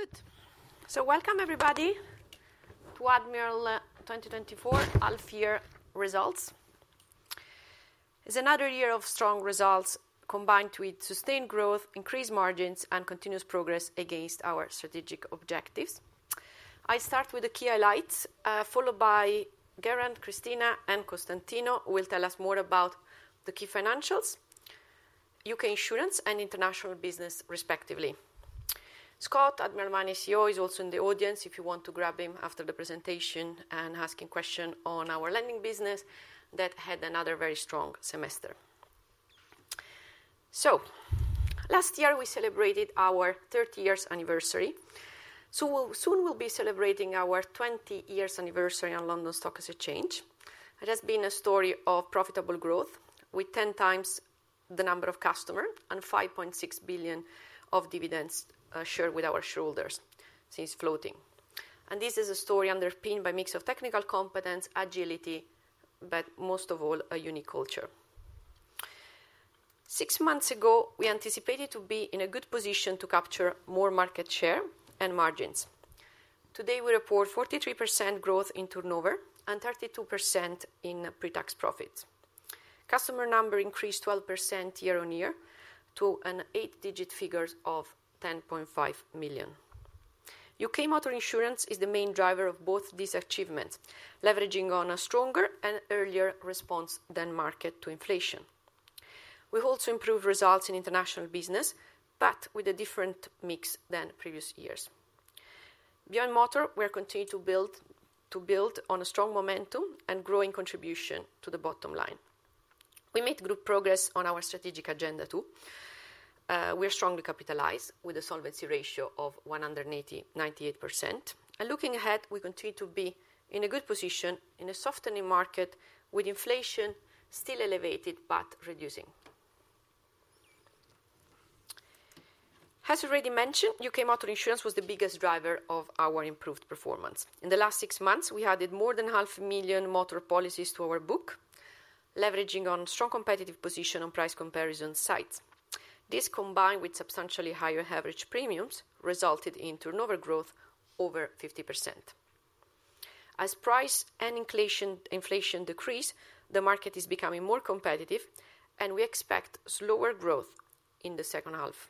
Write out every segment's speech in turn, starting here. Good. So welcome, everybody, to Admiral 2024 half year results. It's another year of strong results, combined with sustained growth, increased margins, and continuous progress against our strategic objectives. I start with the key highlights, followed by Geraint, Cristina, and Costantino, who will tell us more about the key financials, UK insurance, and international business, respectively. Scott, Admiral Money CEO, is also in the audience, if you want to grab him after the presentation and ask him question on our lending business, that had another very strong semester. Last year, we celebrated our 30 years anniversary. Soon we'll be celebrating our 20 years anniversary on London Stock Exchange. It has been a story of profitable growth, with 10 times the number of customer and 5.6 billion of dividends, shared with our shareholders since floating. This is a story underpinned by mix of technical competence, agility, but most of all, a unique culture. Six months ago, we anticipated to be in a good position to capture more market share and margins. Today, we report 43% growth in turnover and 32% in pretax profits. Customer number increased 12% year-on-year to an eight-digit figure of 10.5 million. UK motor insurance is the main driver of both these achievements, leveraging on a stronger and earlier response than market to inflation. We've also improved results in international business, but with a different mix than previous years. Beyond motor, we are continuing to build on a strong momentum and growing contribution to the bottom line. We made good progress on our strategic agenda, too. We're strongly capitalized with a solvency ratio of 189%. Looking ahead, we continue to be in a good position in a softening market with inflation still elevated, but reducing. As already mentioned, U.K. Motor Insurance was the biggest driver of our improved performance. In the last 6 months, we added more than 500,000 motor policies to our book, leveraging on strong competitive position on price comparison sites. This, combined with substantially higher average premiums, resulted in turnover growth over 50%. As price and inflation decrease, the market is becoming more competitive, and we expect slower growth in the second half.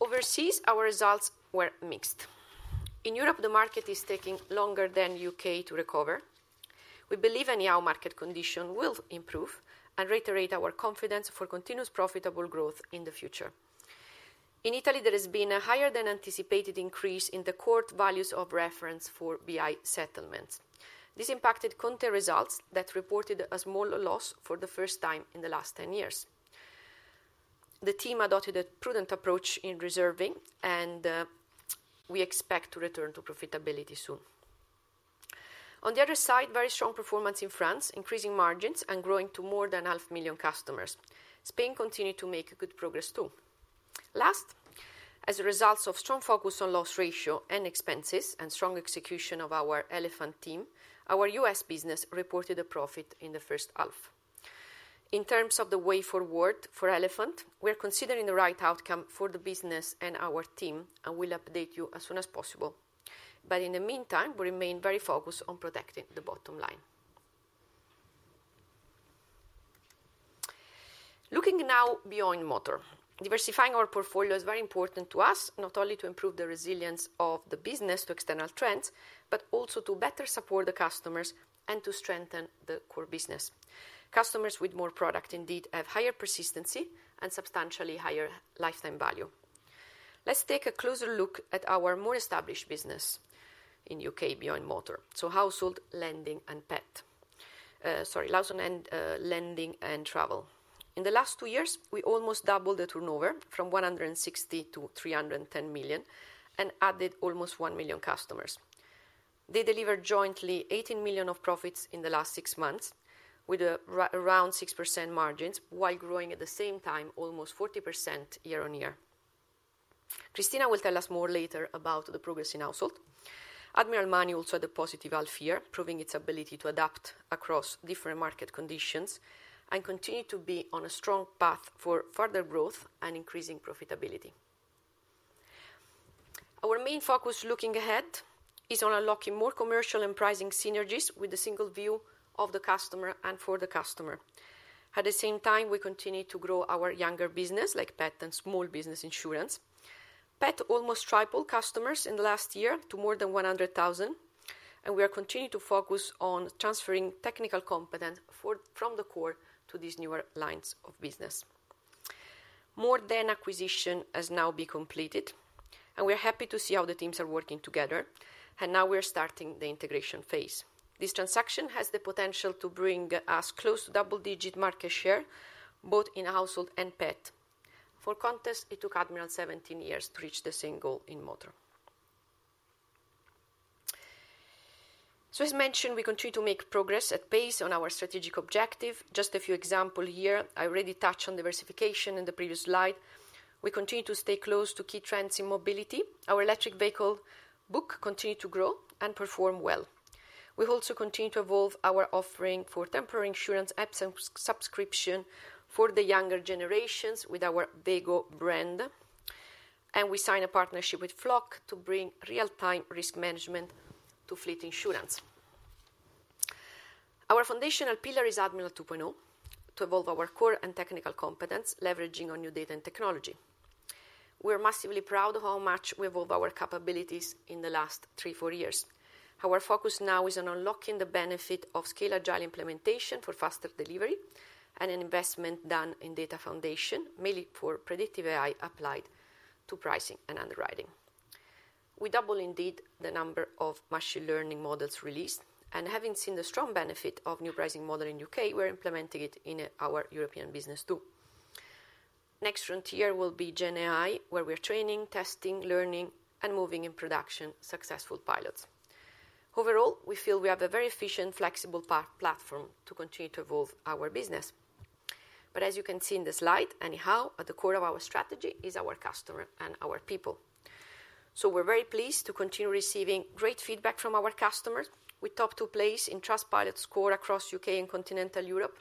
Overseas, our results were mixed. In Europe, the market is taking longer than U.K. to recover. We believe in how market condition will improve and reiterate our confidence for continuous profitable growth in the future. In Italy, there has been a higher than anticipated increase in the court values of reference for BI settlements. This impacted ConTe.it results that reported a small loss for the first time in the last 10 years. The team adopted a prudent approach in reserving, and we expect to return to profitability soon. On the other side, very strong performance in France, increasing margins and growing to more than 500,000 customers. Spain continued to make good progress, too. Last, as a result of strong focus on loss ratio and expenses and strong execution of our Elephant team, our U.S. business reported a profit in the first half. In terms of the way forward for Elephant, we are considering the right outcome for the business and our team, and we'll update you as soon as possible. But in the meantime, we remain very focused on protecting the bottom line. Looking now beyond motor. Diversifying our portfolio is very important to us, not only to improve the resilience of the business to external trends, but also to better support the customers and to strengthen the core business. Customers with more product indeed have higher persistency and substantially higher lifetime value. Let's take a closer look at our more established business in U.K. beyond motor, so household, lending, and pet. Sorry, household and, lending and travel. In the last two years, we almost doubled the turnover from 160 million to 310 million and added almost 1 million customers. They delivered jointly 18 million of profits in the last six months, with around 6% margins, while growing at the same time, almost 40% year-on-year. Cristina will tell us more later about the progress in household. Admiral Money also had a positive half year, proving its ability to adapt across different market conditions and continue to be on a strong path for further growth and increasing profitability. Our main focus looking ahead is on unlocking more commercial and pricing synergies with a single view of the customer and for the customer. At the same time, we continue to grow our younger business, like pet and small business insurance. Pet almost tripled customers in the last year to more than 100,000, and we are continuing to focus on transferring technical competence from the core to these newer lines of business. MORE THAN acquisition has now been completed, and we are happy to see how the teams are working together, and now we are starting the integration phase. This transaction has the potential to bring us close to double-digit market share, both in household and pet. For context, it took Admiral 17 years to reach the same goal in motor. So as mentioned, we continue to make progress at pace on our strategic objective. Just a few examples here. I already touched on diversification in the previous slide. We continue to stay close to key trends in mobility. Our electric vehicle book continue to grow and perform well.... We've also continued to evolve our offering for temporary insurance apps and subscription for the younger generations with our Veygo brand, and we signed a partnership with Flock to bring real-time risk management to fleet insurance. Our foundational pillar is Admiral 2.0, to evolve our core and technical competence, leveraging on new data and technology. We are massively proud of how much we evolved our capabilities in the last 3-4 years. Our focus now is on unlocking the benefit of scale agile implementation for faster delivery and an investment done in data foundation, mainly for predictive AI applied to pricing and underwriting. We double indeed the number of machine learning models released, and having seen the strong benefit of new pricing model in U.K., we're implementing it in our European business, too. Next frontier will be GenAI, where we are training, testing, learning, and moving in production successful pilots. Overall, we feel we have a very efficient, flexible platform to continue to evolve our business. But as you can see in the slide, anyhow, at the core of our strategy is our customer and our people. So we're very pleased to continue receiving great feedback from our customers. We top two places in Trustpilot score across UK and continental Europe,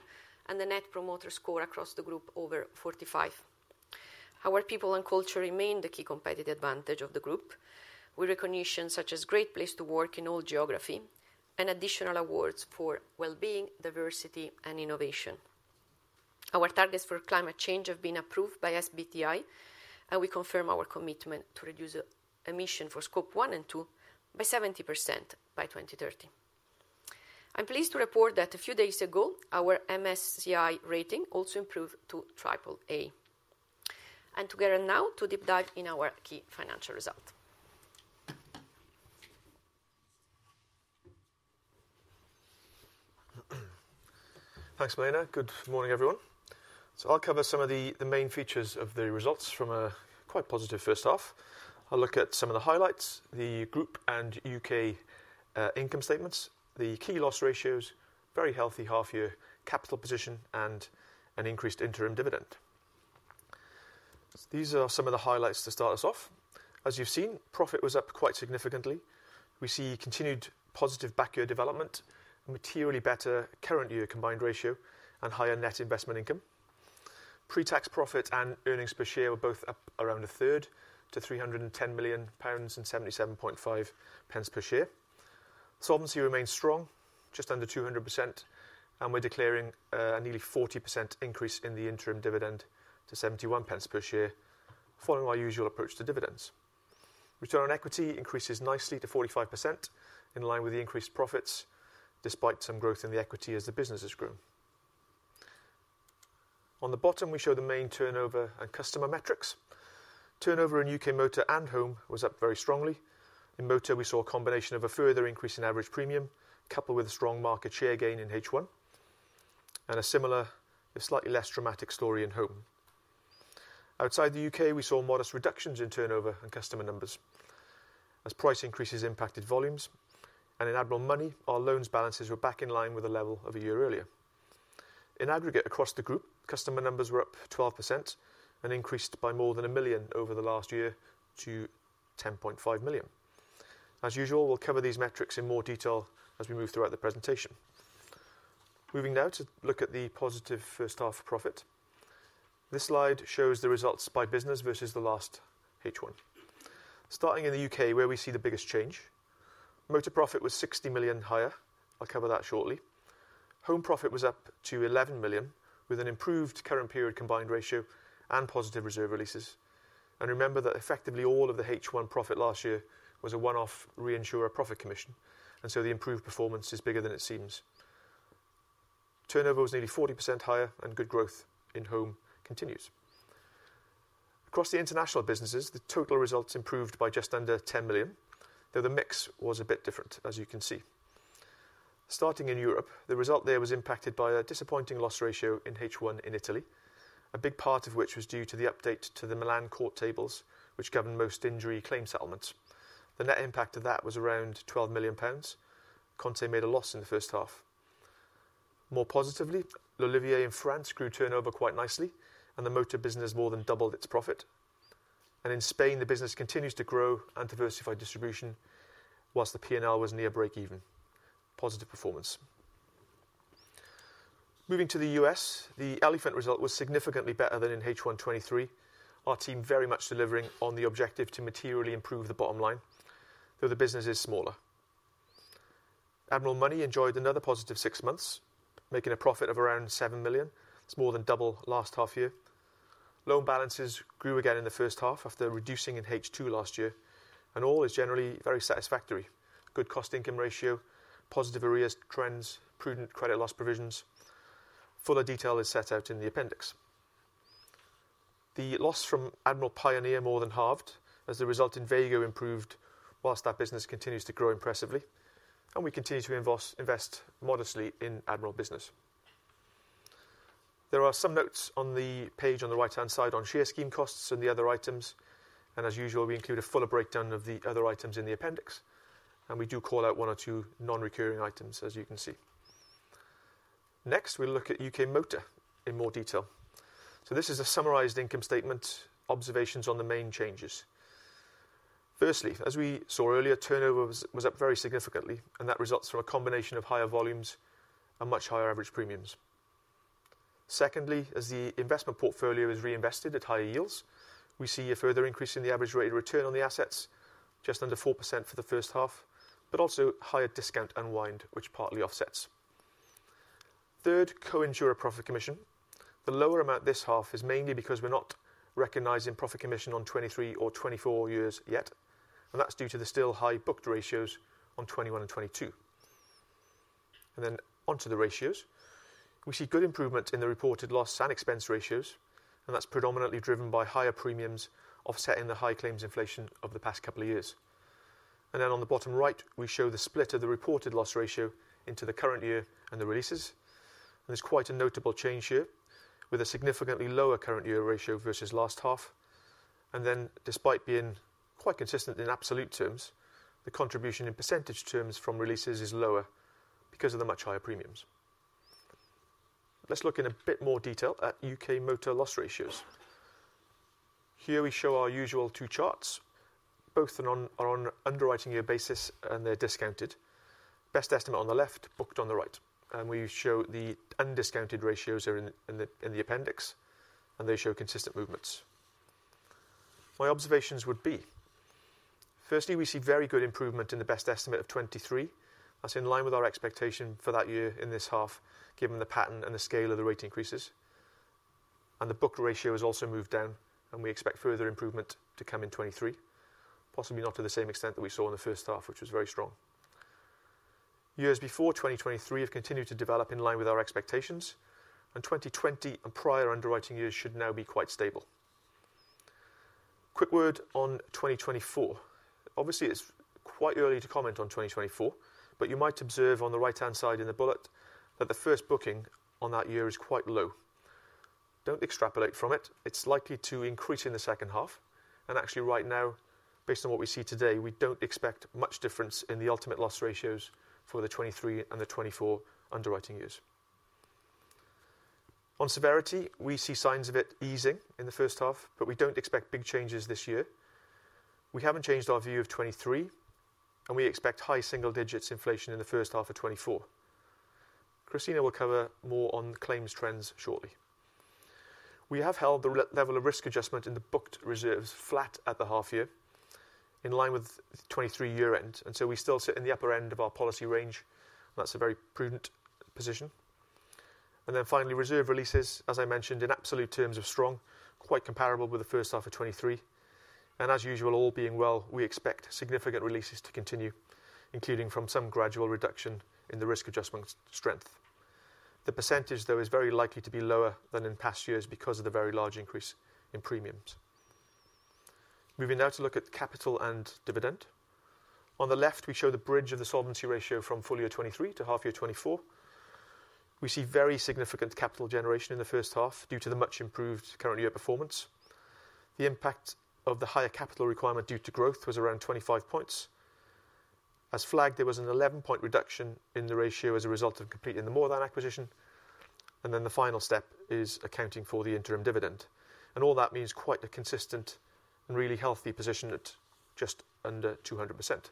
and the Net Promoter Score across the group over 45. Our people and culture remain the key competitive advantage of the group, with recognition such as Great Place to Work in all geographies and additional awards for well-being, diversity, and innovation. Our targets for climate change have been approved by SBTi, and we confirm our commitment to reduce emissions for Scope 1 and 2 by 70% by 2030. I'm pleased to report that a few days ago, our MSCI rating also improved to AAA. To Geraint now, to deep dive in our key financial result. Thanks, Milena. Good morning, everyone. So I'll cover some of the main features of the results from a quite positive first half. I'll look at some of the highlights, the group and UK income statements, the key loss ratios, very healthy half year capital position, and an increased interim dividend. These are some of the highlights to start us off. As you've seen, profit was up quite significantly. We see continued positive back year development, materially better current year combined ratio, and higher net investment income. Pre-tax profit and earnings per share were both up around a third to 310 million pounds and 77.5 pence per share. Solvency remains strong, just under 200%, and we're declaring a nearly 40% increase in the interim dividend to 71 pence per share, following our usual approach to dividends. Return on equity increases nicely to 45%, in line with the increased profits, despite some growth in the equity as the businesses grow. On the bottom, we show the main turnover and customer metrics. Turnover in UK Motor and Home was up very strongly. In Motor, we saw a combination of a further increase in average premium, coupled with a strong market share gain in H1, and a similar, a slightly less dramatic story in Home. Outside the UK, we saw modest reductions in turnover and customer numbers as price increases impacted volumes, and in Admiral Money, our loans balances were back in line with the level of a year earlier. In aggregate across the group, customer numbers were up 12% and increased by more than 1 million over the last year to 10.5 million. As usual, we'll cover these metrics in more detail as we move throughout the presentation. Moving now to look at the positive first half profit. This slide shows the results by business versus the last H1. Starting in the U.K., where we see the biggest change, Motor profit was 60 million higher. I'll cover that shortly. Home profit was up to 11 million, with an improved current period combined ratio and positive reserve releases. And remember that effectively all of the H1 profit last year was a one-off reinsurer profit commission, and so the improved performance is bigger than it seems. Turnover was nearly 40% higher, and good growth in Home continues. Across the international businesses, the total results improved by just under 10 million, though the mix was a bit different, as you can see. Starting in Europe, the result there was impacted by a disappointing loss ratio in H1 in Italy, a big part of which was due to the update to the Milan Tables, which governed most injury claim settlements. The net impact of that was around 12 million pounds. ConTe.it made a loss in the first half. More positively, L'olivier in France grew turnover quite nicely, and the motor business more than doubled its profit. In Spain, the business continues to grow and diversify distribution, while the P&L was near breakeven. Positive performance. Moving to the U.S., the Elephant result was significantly better than in H1 2023. Our team very much delivering on the objective to materially improve the bottom line, though the business is smaller. Admiral Money enjoyed another positive six months, making a profit of around 7 million. It's more than double last half year. Loan balances grew again in the first half after reducing in H2 last year, and all is generally very satisfactory. Good cost income ratio, positive areas, trends, prudent credit loss provisions. Fuller detail is set out in the appendix. The loss from Admiral Pioneer more than halved as the result in Veygo improved, whilst that business continues to grow impressively, and we continue to invest modestly in Admiral business. There are some notes on the page on the right-hand side on share scheme costs and the other items, and as usual, we include a fuller breakdown of the other items in the appendix, and we do call out one or two non-recurring items, as you can see. Next, we'll look at UK motor in more detail. So this is a summarized income statement, observations on the main changes. Firstly, as we saw earlier, turnover was up very significantly, and that results from a combination of higher volumes and much higher average premiums. Secondly, as the investment portfolio is reinvested at higher yields, we see a further increase in the average rate of return on the assets, just under 4% for the first half, but also higher discount unwind, which partly offsets. Third, co-insurer profit commission. The lower amount this half is mainly because we're not recognizing profit commission on 2023 or 2024 years yet, and that's due to the still high booked ratios on 2021 and 2022. And then onto the ratios. We see good improvement in the reported loss and expense ratios, and that's predominantly driven by higher premiums offsetting the high claims inflation of the past couple of years. And then on the bottom right, we show the split of the reported loss ratio into the current year and the releases. There's quite a notable change here, with a significantly lower current year ratio versus last half. And then, despite being quite consistent in absolute terms, the contribution in percentage terms from releases is lower because of the much higher premiums. Let's look in a bit more detail at U.K. motor loss ratios. Here we show our usual two charts. Both are on underwriting year basis, and they're discounted. Best estimate on the left, booked on the right. And we show the undiscounted ratios are in the appendix, and they show consistent movements. My observations would be, firstly, we see very good improvement in the best estimate of 23. That's in line with our expectation for that year in this half, given the pattern and the scale of the rate increases. And the booked ratio has also moved down, and we expect further improvement to come in 2023, possibly not to the same extent that we saw in the first half, which was very strong. Years before 2023 have continued to develop in line with our expectations, and 2020 and prior underwriting years should now be quite stable. Quick word on 2024. Obviously, it's quite early to comment on 2024, but you might observe on the right-hand side in the bullet that the first booking on that year is quite low. Don't extrapolate from it. It's likely to increase in the second half, and actually right now, based on what we see today, we don't expect much difference in the ultimate loss ratios for the 2023 and the 2024 underwriting years. On severity, we see signs of it easing in the first half, but we don't expect big changes this year. We haven't changed our view of 2023, and we expect high single digits inflation in the first half of 2024. Cristina will cover more on claims trends shortly. We have held the level of risk adjustment in the booked reserves flat at the half year, in line with 2023 year end, and so we still sit in the upper end of our policy range. That's a very prudent position. And then finally, reserve releases, as I mentioned, in absolute terms are strong, quite comparable with the first half of 2023. As usual, all being well, we expect significant releases to continue, including from some gradual reduction in the risk adjustment strength. The percentage, though, is very likely to be lower than in past years because of the very large increase in premiums. Moving now to look at capital and dividend. On the left, we show the bridge of the solvency ratio from full year 2023 to half year 2024. We see very significant capital generation in the first half due to the much improved current year performance. The impact of the higher capital requirement due to growth was around 25 points. As flagged, there was an 11-point reduction in the ratio as a result of completing the More Than acquisition, and then the final step is accounting for the interim dividend. All that means quite a consistent and really healthy position at just under 200%.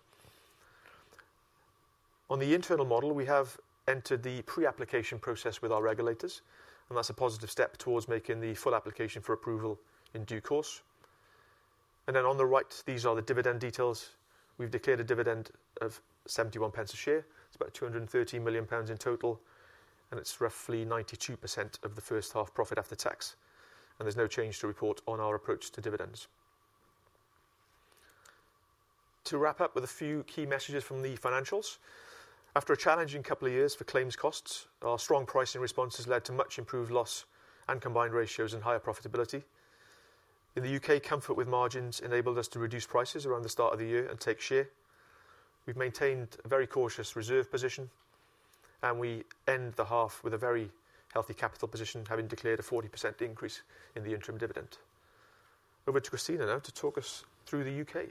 On the internal model, we have entered the pre-application process with our regulators, and that's a positive step towards making the full application for approval in due course. Then on the right, these are the dividend details. We've declared a dividend of 71 pence a share. It's about 230 million pounds in total, and it's roughly 92% of the first half profit after tax, and there's no change to report on our approach to dividends. To wrap up with a few key messages from the financials, after a challenging couple of years for claims costs, our strong pricing response has led to much improved loss and combined ratios and higher profitability. In the UK, comfort with margins enabled us to reduce prices around the start of the year and take share. We've maintained a very cautious reserve position, and we end the half with a very healthy capital position, having declared a 40% increase in the interim dividend. Over to Cristina now to talk us through the UK.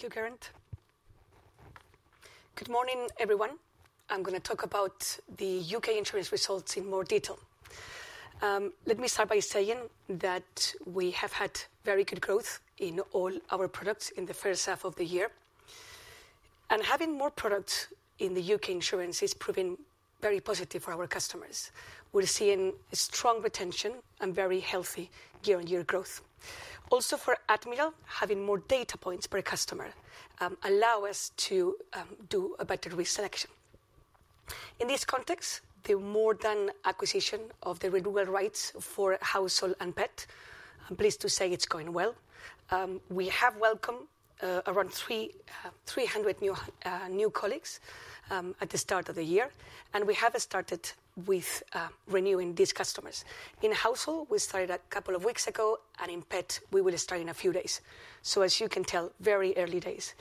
Thank you, Geraint. Good morning, everyone. I'm going to talk about the UK insurance results in more detail. Let me start by saying that we have had very good growth in all our products in the first half of the year. Having more products in the UK insurance is proving very positive for our customers. We're seeing strong retention and very healthy year-on-year growth. Also, for Admiral, having more data points per customer allow us to do a better risk selection. In this context, the MORE THAN acquisition of the renewal rights for household and pet, I'm pleased to say it's going well. We have welcomed around 300 new colleagues at the start of the year, and we have started with renewing these customers. In household, we started a couple of weeks ago, and in pet, we will start in a few days. So as you can tell, very early days.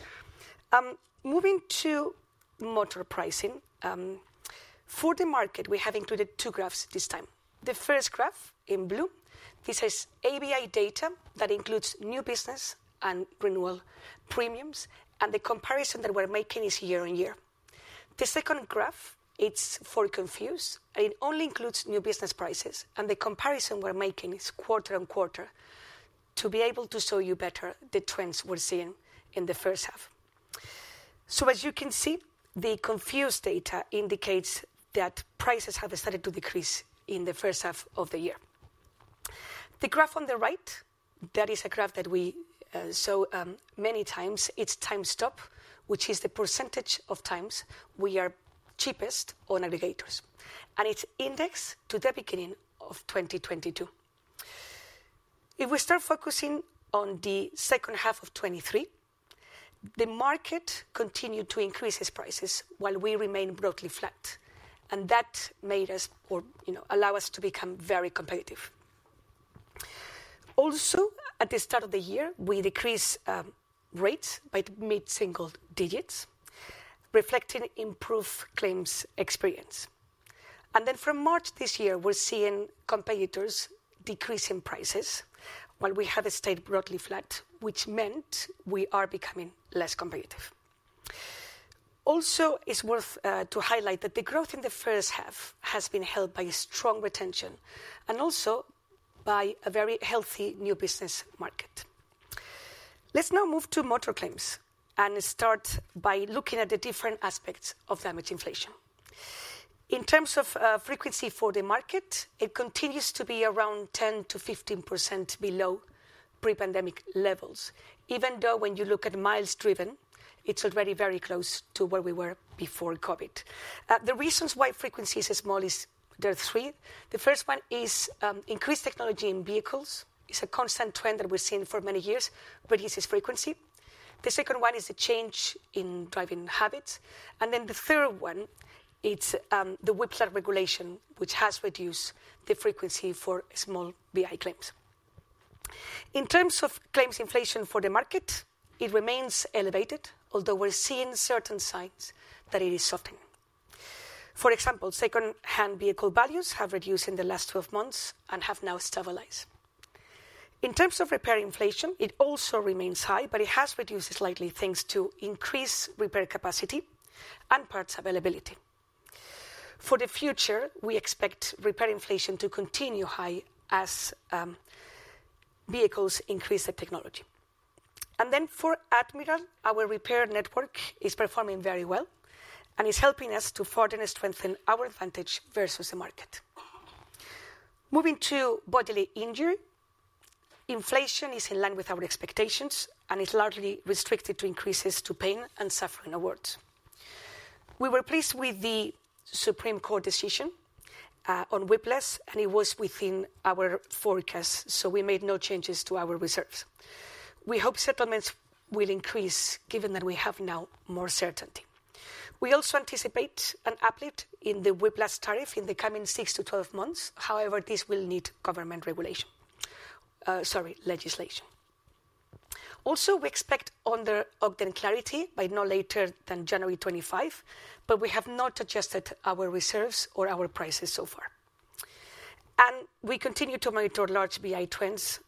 Moving to motor pricing. For the market, we have included two graphs this time. The first graph in blue, this is ABI data that includes new business and renewal premiums, and the comparison that we're making is year-on-year. The second graph, it's for Confused, and it only includes new business prices, and the comparison we're making is quarter-on-quarter, to be able to show you better the trends we're seeing in the first half. So as you can see, the Confused data indicates that prices have started to decrease in the first half of the year. The graph on the right, that is a graph that we saw many times. It's Times Stop, which is the percentage of times we are cheapest on aggregators, and it's indexed to the beginning of 2022. If we start focusing on the second half of 2023, the market continued to increase its prices while we remained broadly flat, and that made us or, you know, allow us to become very competitive. Also, at the start of the year, we decreased rates by mid-single digits, reflecting improved claims experience. And then from March this year, we're seeing competitors decreasing prices while we have stayed broadly flat, which meant we are becoming less competitive. Also, it's worth to highlight that the growth in the first half has been helped by strong retention and also by a very healthy new business market. Let's now move to motor claims and start by looking at the different aspects of damage inflation. In terms of frequency for the market, it continues to be around 10%-15% below pre-pandemic levels, even though when you look at miles driven, it's already very close to where we were before COVID. The reasons why frequency is small is there are three. The first one is increased technology in vehicles. It's a constant trend that we've seen for many years, reduces frequency. The second one is a change in driving habits, and then the third one, it's the whiplash regulation, which has reduced the frequency for small BI claims. In terms of claims inflation for the market, it remains elevated, although we're seeing certain signs that it is softening. For example, secondhand vehicle values have reduced in the last 12 months and have now stabilized. In terms of repair inflation, it also remains high, but it has reduced slightly, thanks to increased repair capacity and parts availability. For the future, we expect repair inflation to continue high as vehicles increase the technology. Then for Admiral, our repair network is performing very well and is helping us to further strengthen our advantage versus the market. Moving to bodily injury, inflation is in line with our expectations and is largely restricted to increases to pain and suffering awards. We were pleased with the Supreme Court decision on whiplash, and it was within our forecast, so we made no changes to our reserves. We hope settlements will increase given that we have now more certainty. We also anticipate an uplift in the whiplash tariff in the coming 6-12 months. However, this will need government legislation. Also, we expect the Ogden clarity by no later than January 25, but we have not adjusted our reserves or our prices so far. We continue to monitor large BI trends,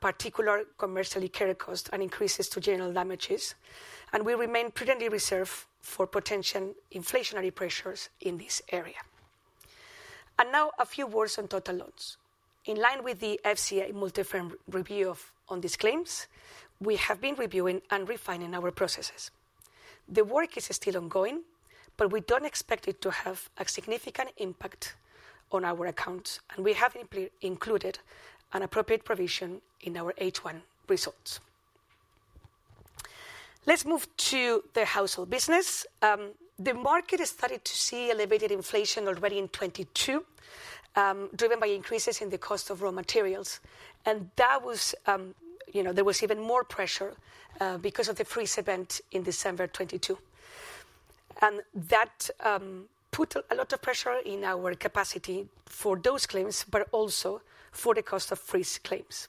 particularly medical care costs and increases to general damages, and we remain prudently reserved for potential inflationary pressures in this area. Now a few words on total loans. In line with the FCA multi-firm review of these claims, we have been reviewing and refining our processes. The work is still ongoing, but we don't expect it to have a significant impact on our accounts, and we have included an appropriate provision in our H1 results. Let's move to the household business. The market has started to see elevated inflation already in 2022, driven by increases in the cost of raw materials, and that was, you know, there was even more pressure, because of the freeze event in December 2022. And that put a lot of pressure in our capacity for those claims, but also for the cost of freeze claims.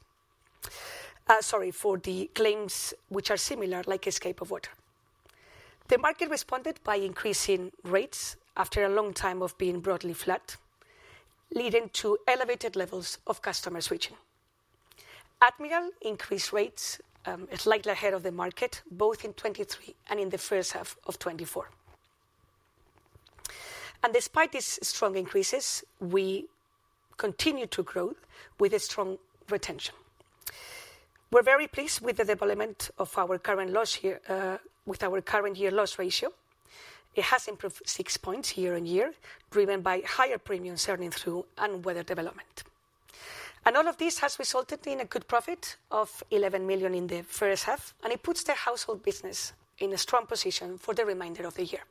Sorry, for the claims which are similar, like escape of water. The market responded by increasing rates after a long time of being broadly flat, leading to elevated levels of customer switching. Admiral increased rates, slightly ahead of the market, both in 2023 and in the first half of 2024. And despite these strong increases, we continue to grow with a strong retention. We're very pleased with the development of our current loss here with our current year loss ratio. It has improved 6 points year-on-year, driven by higher premiums earning through and weather development. And all of this has resulted in a good profit of 11 million in the first half, and it puts the Household business in a strong position for the remainder of the year.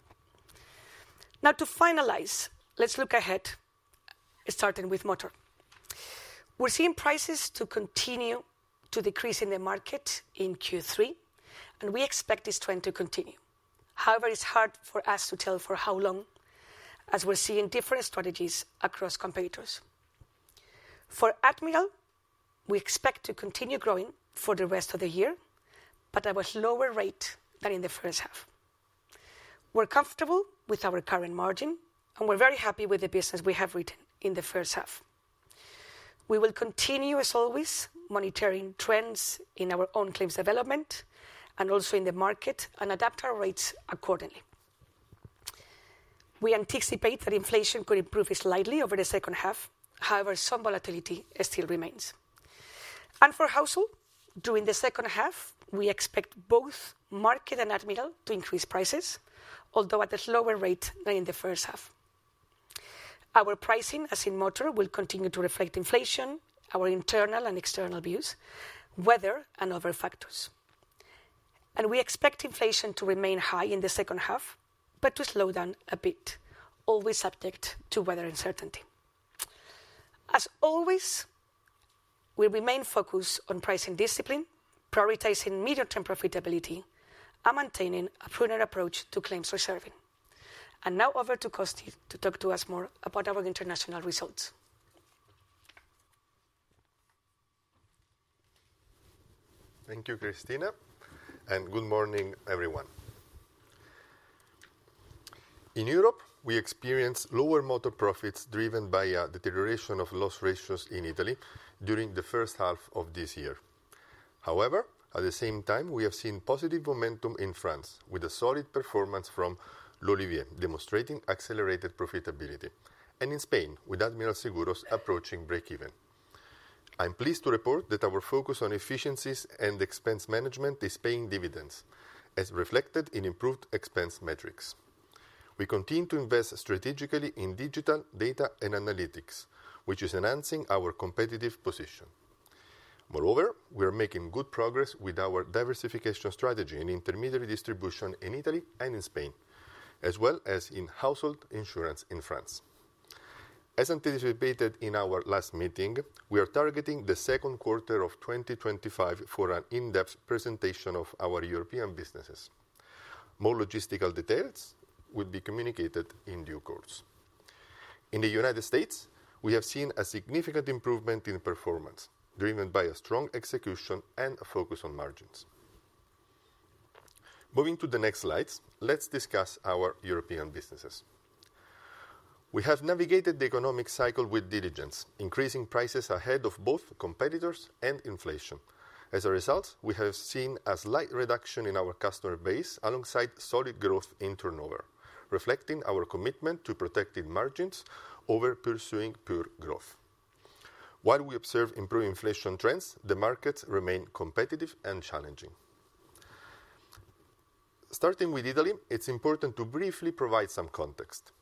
Now, to finalize, let's look ahead, starting with Motor. We're seeing prices to continue to decrease in the market in Q3, and we expect this trend to continue. However, it's hard for us to tell for how long, as we're seeing different strategies across competitors.... For Admiral, we expect to continue growing for the rest of the year, but at a slower rate than in the first half. We're comfortable with our current margin, and we're very happy with the business we have retained in the first half. We will continue, as always, monitoring trends in our own claims development and also in the market, and adapt our rates accordingly. We anticipate that inflation could improve slightly over the second half, however, some volatility still remains. For household, during the second half, we expect both market and Admiral to increase prices, although at a slower rate than in the first half. Our pricing, as in motor, will continue to reflect inflation, our internal and external views, weather, and other factors. We expect inflation to remain high in the second half, but to slow down a bit, always subject to weather uncertainty. As always, we remain focused on pricing discipline, prioritizing medium-term profitability, and maintaining a prudent approach to claims reserving. Now over to Costi to talk to us more about our international results. Thank you, Cristina, and good morning, everyone. In Europe, we experienced lower motor profits driven by a deterioration of loss ratios in Italy during the first half of this year. However, at the same time, we have seen positive momentum in France, with a solid performance from L'Olivier, demonstrating accelerated profitability, and in Spain, with Admiral Seguros approaching breakeven. I'm pleased to report that our focus on efficiencies and expense management is paying dividends, as reflected in improved expense metrics. We continue to invest strategically in digital data and analytics, which is enhancing our competitive position. Moreover, we are making good progress with our diversification strategy in intermediary distribution in Italy and in Spain, as well as in household insurance in France. As anticipated in our last meeting, we are targeting the second quarter of 2025 for an in-depth presentation of our European businesses. More logistical details will be communicated in due course. In the United States, we have seen a significant improvement in performance, driven by a strong execution and a focus on margins. Moving to the next slides, let's discuss our European businesses. We have navigated the economic cycle with diligence, increasing prices ahead of both competitors and inflation. As a result, we have seen a slight reduction in our customer base, alongside solid growth in turnover, reflecting our commitment to protecting margins over pursuing pure growth. While we observe improved inflation trends, the markets remain competitive and challenging. Starting with Italy, it's important to briefly provide some context.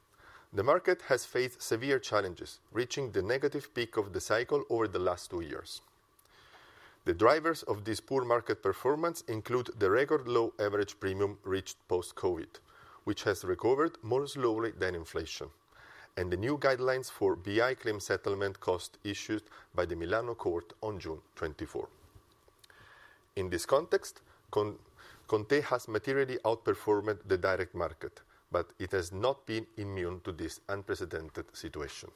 The market has faced severe challenges, reaching the negative peak of the cycle over the last two years. The drivers of this poor market performance include the record low average premium reached post-COVID, which has recovered more slowly than inflation, and the new guidelines for BI claim settlement cost issued by the Milan Court on June twenty-fourth. In this context, ConTe.it has materially outperformed the direct market, but it has not been immune to this unprecedented situation.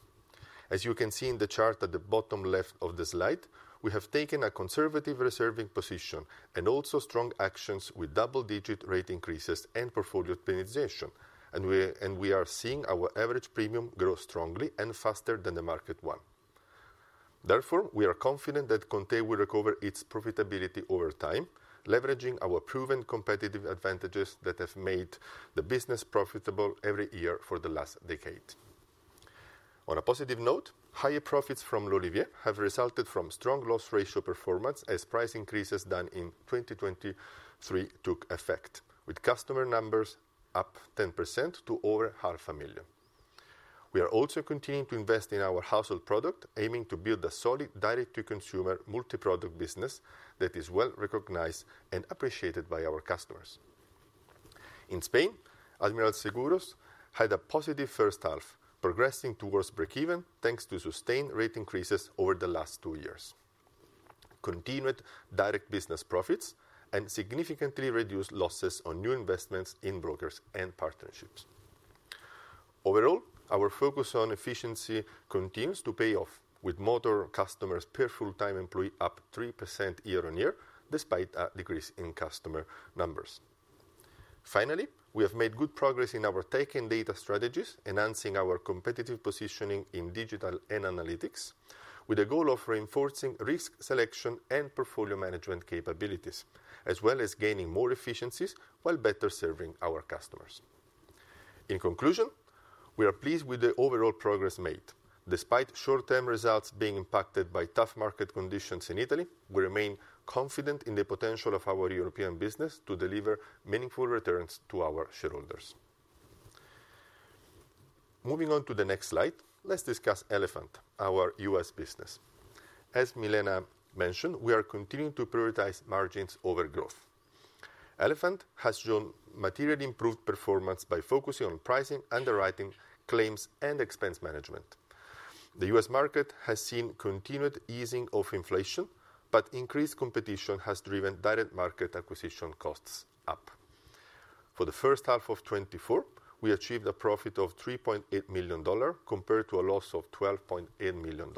As you can see in the chart at the bottom left of the slide, we have taken a conservative reserving position and also strong actions with double-digit rate increases and portfolio penalization, and we are seeing our average premium grow strongly and faster than the market one. Therefore, we are confident that ConTe.it will recover its profitability over time, leveraging our proven competitive advantages that have made the business profitable every year for the last decade. On a positive note, higher profits from L'olivier have resulted from strong loss ratio performance as price increases done in 2023 took effect, with customer numbers up 10% to over 500,000. We are also continuing to invest in our household product, aiming to build a solid direct-to-consumer multi-product business that is well recognized and appreciated by our customers. In Spain, Admiral Seguros had a positive first half, progressing towards breakeven, thanks to sustained rate increases over the last 2 years, continued direct business profits, and significantly reduced losses on new investments in brokers and partnerships. Overall, our focus on efficiency continues to pay off, with motor customers per full-time employee up 3% year-on-year, despite a decrease in customer numbers. Finally, we have made good progress in our tech and data strategies, enhancing our competitive positioning in digital and analytics, with the goal of reinforcing risk selection and portfolio management capabilities, as well as gaining more efficiencies while better serving our customers. In conclusion, we are pleased with the overall progress made. Despite short-term results being impacted by tough market conditions in Italy, we remain confident in the potential of our European business to deliver meaningful returns to our shareholders. Moving on to the next slide, let's discuss Elephant, our U.S. business. As Milena mentioned, we are continuing to prioritize margins over growth. Elephant has shown materially improved performance by focusing on pricing, underwriting, claims, and expense management. The U.S. market has seen continued easing of inflation, but increased competition has driven direct market acquisition costs up.... For the first half of 2024, we achieved a profit of $3.8 million, compared to a loss of $12.8 million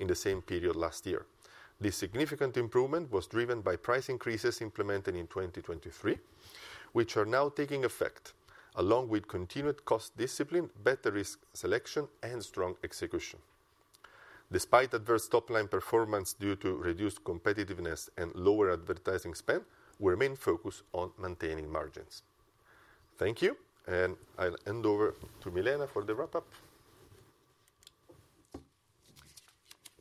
in the same period last year. This significant improvement was driven by price increases implemented in 2023, which are now taking effect, along with continued cost discipline, better risk selection, and strong execution. Despite adverse top-line performance due to reduced competitiveness and lower advertising spend, we remain focused on maintaining margins. Thank you, and I'll hand over to Milena for the wrap-up.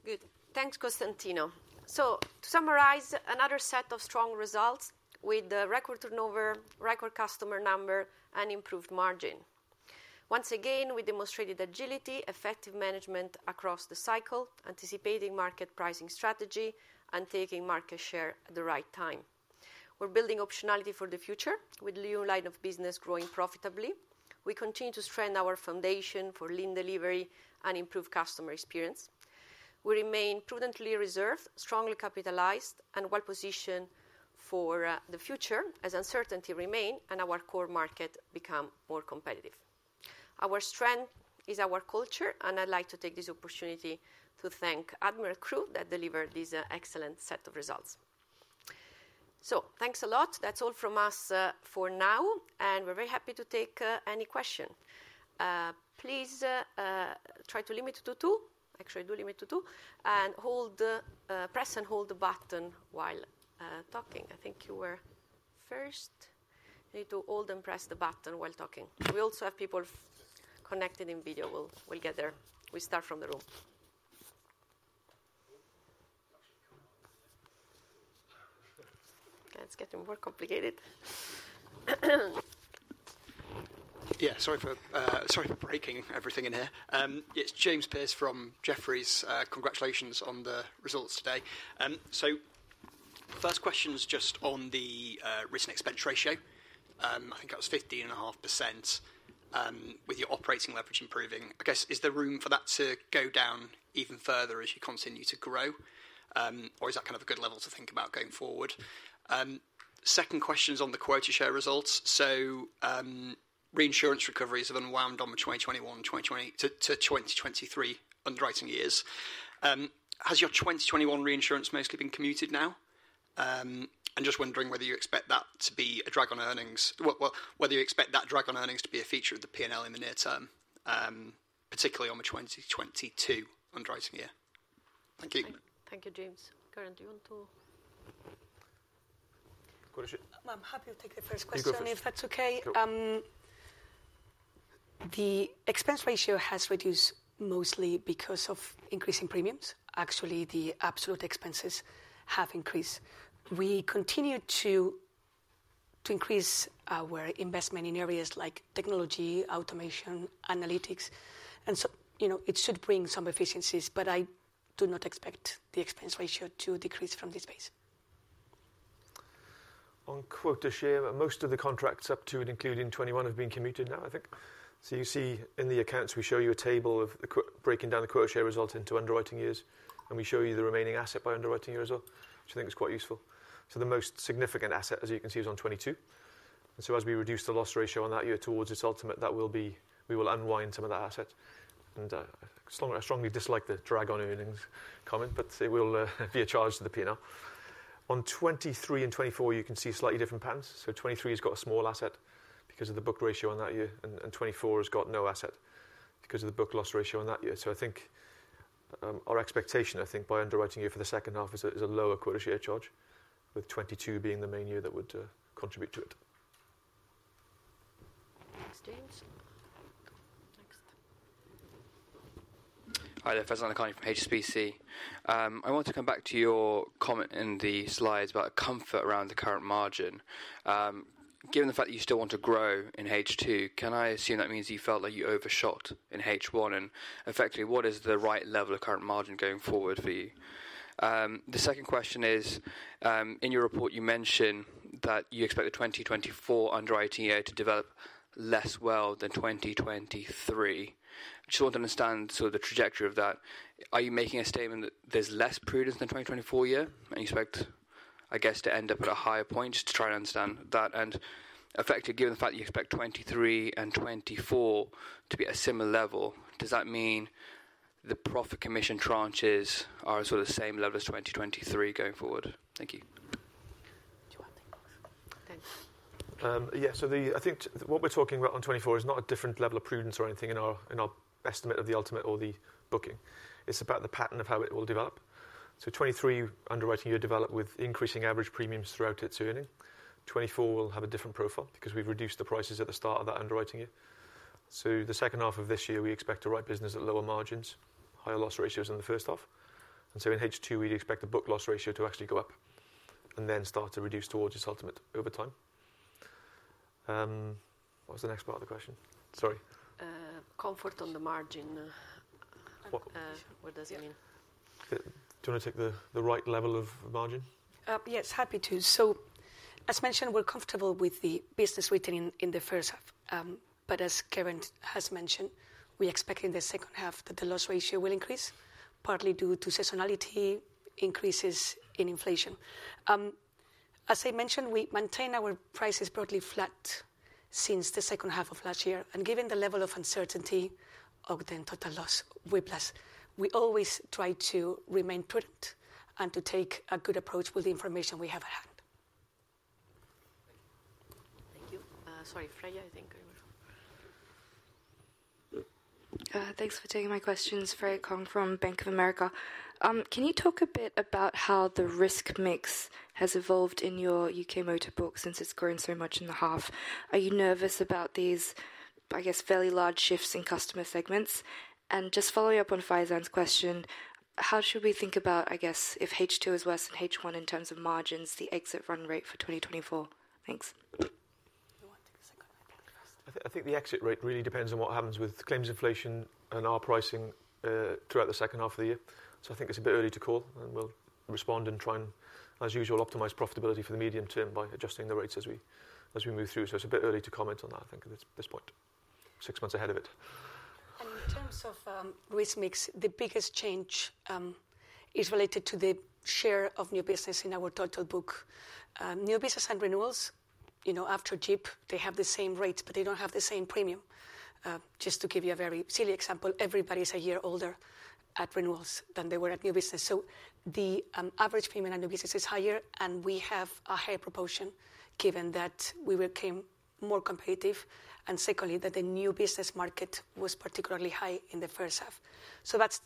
Good. Thanks, Costantino. So to summarize, another set of strong results with the record turnover, record customer number, and improved margin. Once again, we demonstrated agility, effective management across the cycle, anticipating market pricing strategy, and taking market share at the right time. We're building optionality for the future with new line of business growing profitably. We continue to strengthen our foundation for lean delivery and improve customer experience. We remain prudently reserved, strongly capitalized, and well-positioned for the future as uncertainty remain and our core market become more competitive. Our strength is our culture, and I'd like to take this opportunity to thank Admiral crew that delivered this excellent set of results. So thanks a lot. That's all from us for now, and we're very happy to take any question. Please try to limit it to two. Actually, do limit to two, and hold the press and hold the button while talking. I think you were first. You need to hold and press the button while talking. We also have people connected in video. We'll get there. We start from the room. It's getting more complicated. Yeah, sorry for, sorry for breaking everything in here. It's James Pearce from Jefferies. Congratulations on the results today. So first question is just on the written expense ratio. I think that was 15.5%, with your operating leverage improving. I guess, is there room for that to go down even further as you continue to grow? Or is that kind of a good level to think about going forward? Second question is on the quota share results. So, reinsurance recoveries have unwound on the 2021, 2020 to 2023 underwriting years. Has your 2021 reinsurance mostly been commuted now? I'm just wondering whether you expect that to be a drag on earnings. Whether you expect that drag on earnings to be a feature of the P&L in the near term, particularly on the 2022 underwriting year. Thank you. Thank you, James. Geraint, do you want to? Go ahead, Sheila. I'm happy to take the first question- You go first.... if that's okay. Sure. The expense ratio has reduced mostly because of increasing premiums. Actually, the absolute expenses have increased. We continue to increase our investment in areas like technology, automation, analytics, and so, you know, it should bring some efficiencies, but I do not expect the expense ratio to decrease from this base. On quota share, most of the contracts up to and including 2021 have been commuted now, I think. So you see in the accounts, we show you a table breaking down the quota share result into underwriting years, and we show you the remaining asset by underwriting year as well, which I think is quite useful. So the most significant asset, as you can see, is on 2022. And so as we reduce the loss ratio on that year towards its ultimate, that will be. We will unwind some of that asset. And as long as I strongly dislike the drag on earnings comment, but it will be a charge to the P&L. On 2023 and 2024, you can see slightly different patterns. So 2023 has got a small asset because of the book ratio on that year, and 2024 has got no asset because of the book loss ratio on that year. So I think, our expectation, I think, by underwriting year for the second half is a lower quota share charge, with 2022 being the main year that would contribute to it. Thanks, James. Next. Hi there, Farzana Khan from HSBC. I want to come back to your comment in the slides about comfort around the current margin. Given the fact that you still want to grow in H2, can I assume that means you felt like you overshot in H1? And effectively, what is the right level of current margin going forward for you? The second question is, in your report, you mentioned that you expect the 2024 underwriting year to develop less well than 2023. Just want to understand sort of the trajectory of that. Are you making a statement that there's less prudence than 2024 year, and you expect, I guess, to end up at a higher point? Just to try and understand that. Effectively, given the fact that you expect 2023 and 2024 to be at a similar level, does that mean the profit commission tranches are sort of the same level as 2023 going forward? Thank you. Do you want me? Okay. Yeah. So the-- I think what we're talking about on 2024 is not a different level of prudence or anything in our, in our estimate of the ultimate or the booking. It's about the pattern of how it will develop. So 2023 underwriting year developed with increasing average premiums throughout its earning. 2024 will have a different profile because we've reduced the prices at the start of that underwriting year. So the second half of this year, we expect to write business at lower margins, higher loss ratios than the first half. And so in H2, we'd expect the book loss ratio to actually go up and then start to reduce towards its ultimate over time. What was the next part of the question? Sorry. Comfort on the margin. What- What does it mean? Do you wanna take the right level of margin? Yes, happy to. So as mentioned, we're comfortable with the business written in, in the first half. But as Geraint has mentioned, we expect in the second half that the loss ratio will increase, partly due to seasonality, increases in inflation. As I mentioned, we maintain our prices broadly flat since the second half of last year, and given the level of uncertainty of the total loss, we plus, we always try to remain prudent and to take a good approach with the information we have at hand. Thank you. Sorry, Freya, I think you were- Thanks for taking my questions. Freya Kong from Bank of America. Can you talk a bit about how the risk mix has evolved in your UK motor book since it's grown so much in the half? Are you nervous about these, I guess, fairly large shifts in customer segments? And just following up on Faizan's question, how should we think about, I guess, if H2 is worse than H1 in terms of margins, the exit run rate for 2024? Thanks. You want to take a second? I think the exit rate really depends on what happens with claims inflation and our pricing throughout the second half of the year. So I think it's a bit early to call, and we'll respond and try and, as usual, optimize profitability for the medium term by adjusting the rates as we move through. So it's a bit early to comment on that, I think, at this point. Six months ahead of it. In terms of risk mix, the biggest change is related to the share of new business in our total book. New business and renewals, you know, after GIPP, they have the same rates, but they don't have the same premium. Just to give you a very silly example, everybody's a year older at renewals than they were at new business. So the average premium on new business is higher, and we have a higher proportion, given that we became more competitive, and secondly, that the new business market was particularly high in the first half. So that's,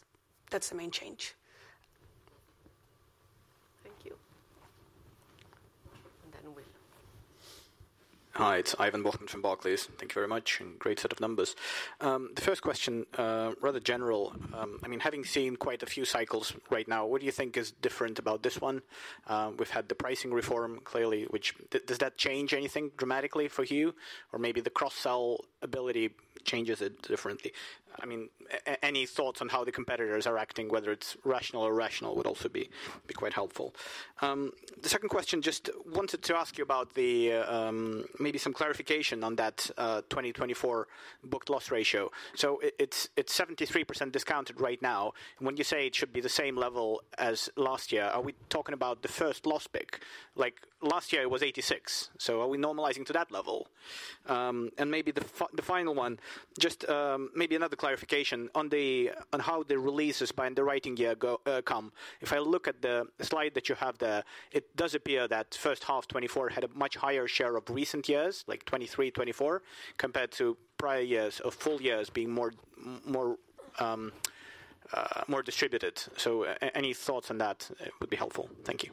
that's the main change. Thank you. Then Will. Hi, it's Ivan Bokhmat from Barclays. Thank you very much, and great set of numbers. The first question, rather general, I mean, having seen quite a few cycles right now, what do you think is different about this one? We've had the pricing reform, clearly, which does that change anything dramatically for you? Or maybe the cross-sell ability changes it differently. I mean, any thoughts on how the competitors are acting, whether it's rational or irrational, would also be quite helpful. The second question, just wanted to ask you about the, maybe some clarification on that, 2024 book-loss ratio. So it's 73% discounted right now, and when you say it should be the same level as last year, are we talking about the first loss pick? Like, last year it was 86, so are we normalizing to that level? And maybe the final one, just maybe another clarification on how the releases by the writing year go. If I look at the slide that you have there, it does appear that first half 2024 had a much higher share of recent years, like 2023, 2024, compared to prior years or full years being more distributed. So any thoughts on that would be helpful. Thank you.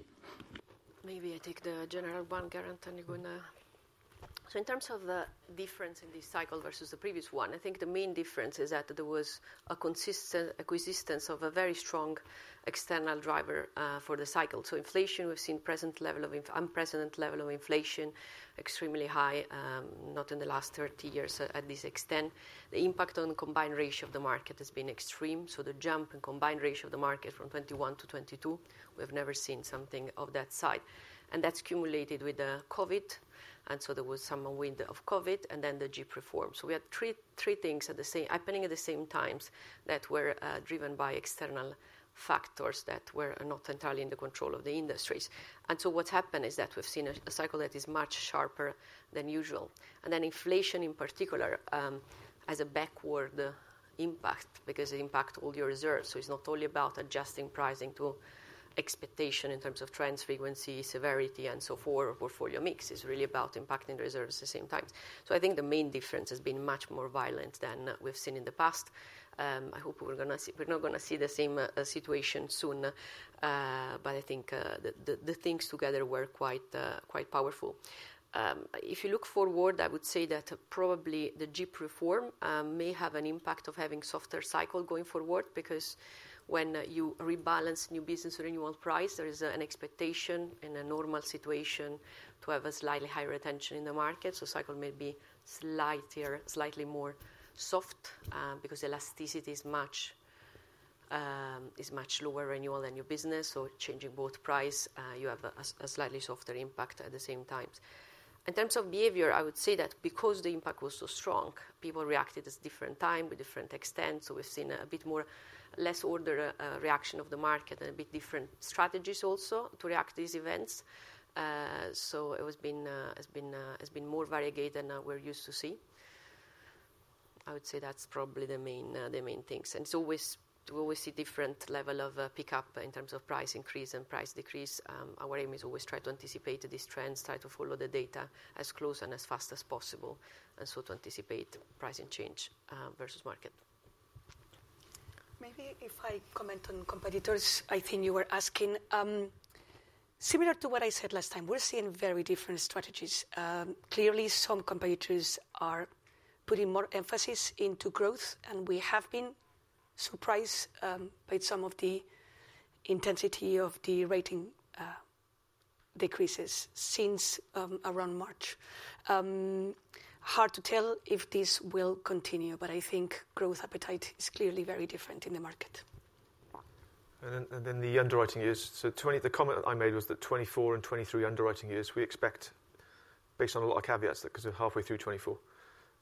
Maybe I take the general one, Geraint, and you're gonna. So in terms of the difference in this cycle versus the previous one, I think the main difference is that there was a consistent, a coexistence of a very strong external driver for the cycle. So inflation, we've seen present level of unprecedented level of inflation, extremely high, not in the last 30 years, at this extent. The impact on the combined ratio of the market has been extreme, so the jump in combined ratio of the market from 2021 to 2022, we have never seen something of that size. And that's cumulated with the COVID, and so there was some wind of COVID, and then the GIP reform. So we had three things at the same, happening at the same times that were driven by external factors that were not entirely in the control of the industries. And so what's happened is that we've seen a cycle that is much sharper than usual. And then inflation, in particular, has a backward impact because it impact all your reserves. So it's not only about adjusting pricing to expectation in terms of trends, frequency, severity, and so forth, or portfolio mix. It's really about impacting the reserves at the same time. So I think the main difference has been much more violent than we've seen in the past. I hope we're gonna see... We're not gonna see the same situation soon, but I think the things together were quite powerful. If you look forward, I would say that probably the JIP reform may have an impact of having softer cycle going forward, because when you rebalance new business renewal price, there is an expectation in a normal situation to have a slightly higher retention in the market. So cycle may be slightly or slightly more soft, because elasticity is much lower renewal than new business, so changing both price, you have a slightly softer impact at the same time. In terms of behavior, I would say that because the impact was so strong, people reacted at different time with different extent, so we've seen a bit more less order reaction of the market and a bit different strategies also to react to these events. So it has been more varied than we're used to see. I would say that's probably the main things. And it's always, we always see different level of pickup in terms of price increase and price decrease. Our aim is always try to anticipate these trends, try to follow the data as close and as fast as possible, and so to anticipate pricing change versus market. Maybe if I comment on competitors, I think you were asking. Similar to what I said last time, we're seeing very different strategies. Clearly, some competitors are putting more emphasis into growth, and we have been surprised by some of the intensity of the rating decreases since around March. Hard to tell if this will continue, but I think growth appetite is clearly very different in the market. And then the underwriting years. So the comment that I made was that 2024 and 2023 underwriting years, we expect based on a lot of caveats that 'cause we're halfway through 2024,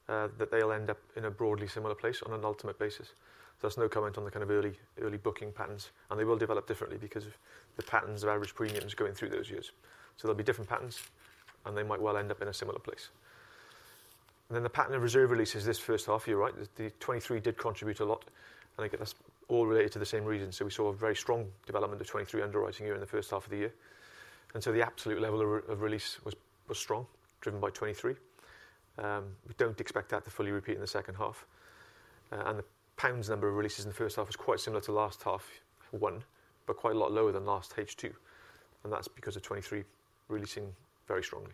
that they'll end up in a broadly similar place on an ultimate basis. So that's no comment on the kind of early, early booking patterns, and they will develop differently because of the patterns of average premiums going through those years. So there'll be different patterns, and they might well end up in a similar place. Then the pattern of reserve releases this first half, you're right. The 2023 did contribute a lot, and I think that's all related to the same reason. So we saw a very strong development of 2023 underwriting year in the first half of the year. The absolute level of release was strong, driven by 2023. We don't expect that to fully repeat in the second half. The pounds number of releases in the first half is quite similar to last H1, but quite a lot lower than last H2, and that's because of 2023 releasing very strongly.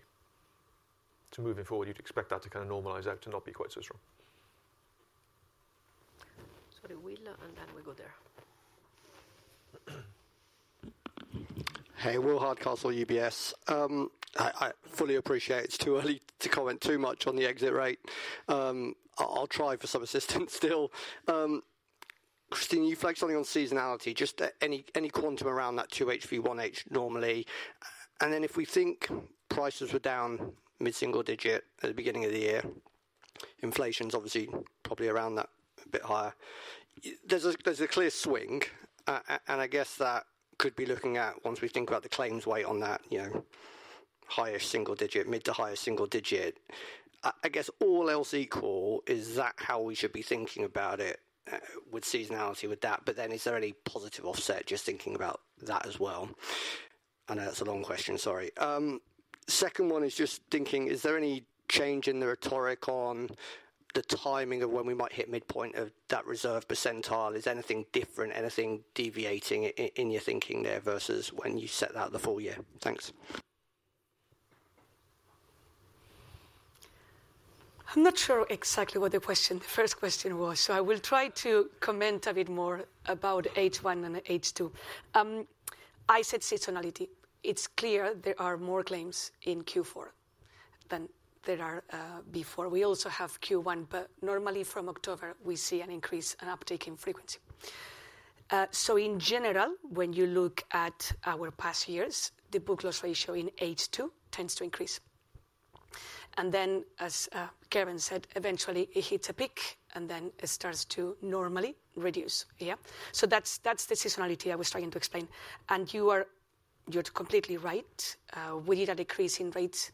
So moving forward, you'd expect that to kinda normalize out to not be quite so strong. Sorry, Will, and then we go there. Hey, Will Hardcastle, UBS. I fully appreciate it's too early to comment too much on the exit rate. I'll try for some assistance still. Cristina, you flagged something on seasonality, any quantum around that 2H v 1H normally. And then if we think prices were down mid-single digit at the beginning of the year, inflation's obviously probably around that, a bit higher. There's a clear swing, and I guess that could be looking at once we think about the claims weight on that, you know, higher single digit, mid to higher single digit. I guess all else equal, is that how we should be thinking about it, with seasonality with that? But then is there any positive offset, just thinking about that as well? I know that's a long question, sorry. Second one is just thinking, is there any change in the rhetoric on the timing of when we might hit midpoint of that reserve percentile? Is anything different, anything deviating in your thinking there, versus when you set out the full year? Thanks. I'm not sure exactly what the question, the first question was, so I will try to comment a bit more about H1 and H2. I said seasonality. It's clear there are more claims in Q4 than there are before. We also have Q1, but normally from October, we see an increase and uptick in frequency. So in general, when you look at our past years, the book loss ratio in H2 tends to increase. And then, as Kevin said, eventually it hits a peak, and then it starts to normally reduce. Yeah. So that's, that's the seasonality I was trying to explain. And you are—you're completely right. We hit a decrease in rates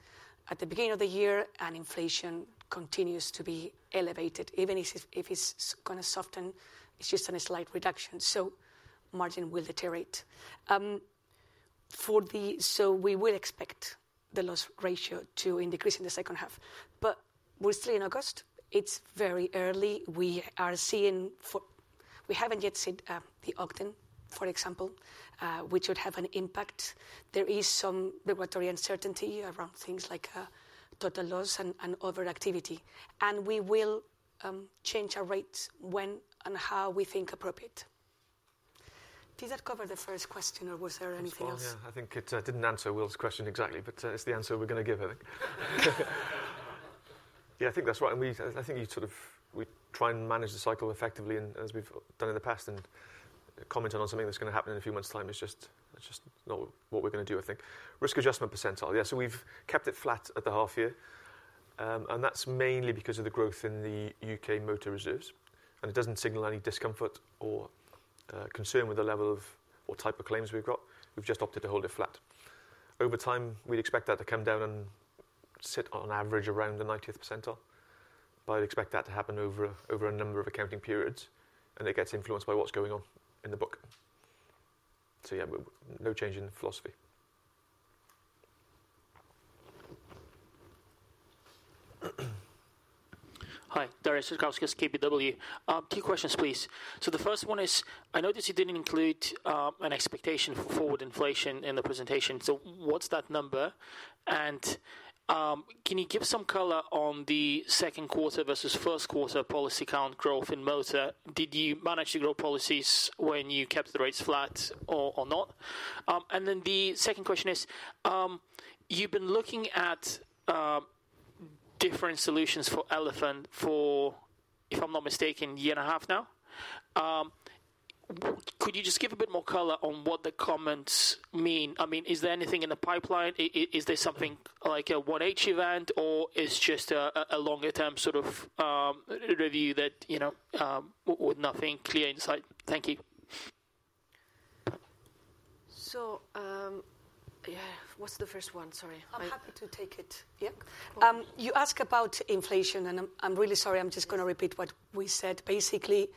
at the beginning of the year, and inflation continues to be elevated. Even if it's, if it's gonna soften, it's just on a slight reduction, so margin will deteriorate. So we will expect the loss ratio to increase in the second half. But we're still in August. It's very early. We haven't yet seen the Ogden, for example, which would have an impact. There is some regulatory uncertainty around things like total loss and overactivity, and we will change our rates when and how we think appropriate. Did that cover the first question, or was there anything else? Yeah, I think it didn't answer Will's question exactly, but it's the answer we're gonna give, I think. Yeah, I think that's right, and we try and manage the cycle effectively and as we've done in the past, and commenting on something that's gonna happen in a few months' time is just, that's just not what we're gonna do, I think. Risk adjustment percentile. Yeah, so we've kept it flat at the half year, and that's mainly because of the growth in the UK motor reserves, and it doesn't signal any discomfort or concern with the level of or type of claims we've got. We've just opted to hold it flat. Over time, we'd expect that to come down and sit on average around the ninetieth percentile, but I'd expect that to happen over a number of accounting periods, and it gets influenced by what's going on in the book. So yeah, but no change in the philosophy. Hi, Darius Satkauskas, KBW. Two questions, please. So the first one is, I noticed you didn't include an expectation for forward inflation in the presentation. So what's that number? And can you give some color on the second quarter versus first quarter policy count growth in motor? Did you manage to grow policies when you kept the rates flat or not? And then the second question is, you've been looking at different solutions for Elephant for, if I'm not mistaken, a year and a half now. Could you just give a bit more color on what the comments mean? I mean, is there anything in the pipeline? Is there something like a 1H event, or it's just a longer term sort of review that, you know, with nothing clear in sight? Thank you. So, yeah. What's the first one? Sorry. I'm happy to take it. Yeah. You ask about inflation, and I'm really sorry, I'm just gonna repeat what we said. Basically,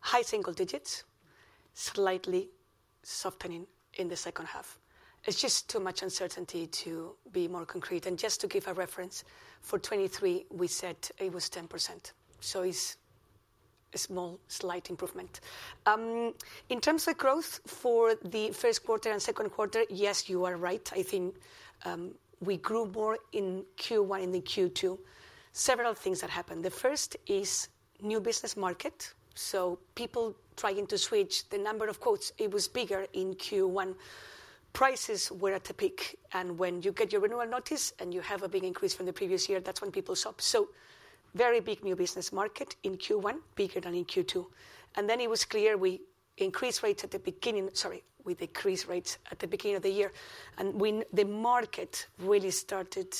high single digits, slightly softening in the second half. It's just too much uncertainty to be more concrete. And just to give a reference, for 2023, we said it was 10%, so it's a small, slight improvement. In terms of growth for the first quarter and second quarter, yes, you are right. I think, we grew more in Q1 than in Q2. Several things that happened. The first is new business market. So people trying to switch the number of quotes, it was bigger in Q1. Prices were at the peak, and when you get your renewal notice, and you have a big increase from the previous year, that's when people stop. So very big new business market in Q1, bigger than in Q2. And then it was clear we increased rates at the beginning... Sorry, we decreased rates at the beginning of the year, and when the market really started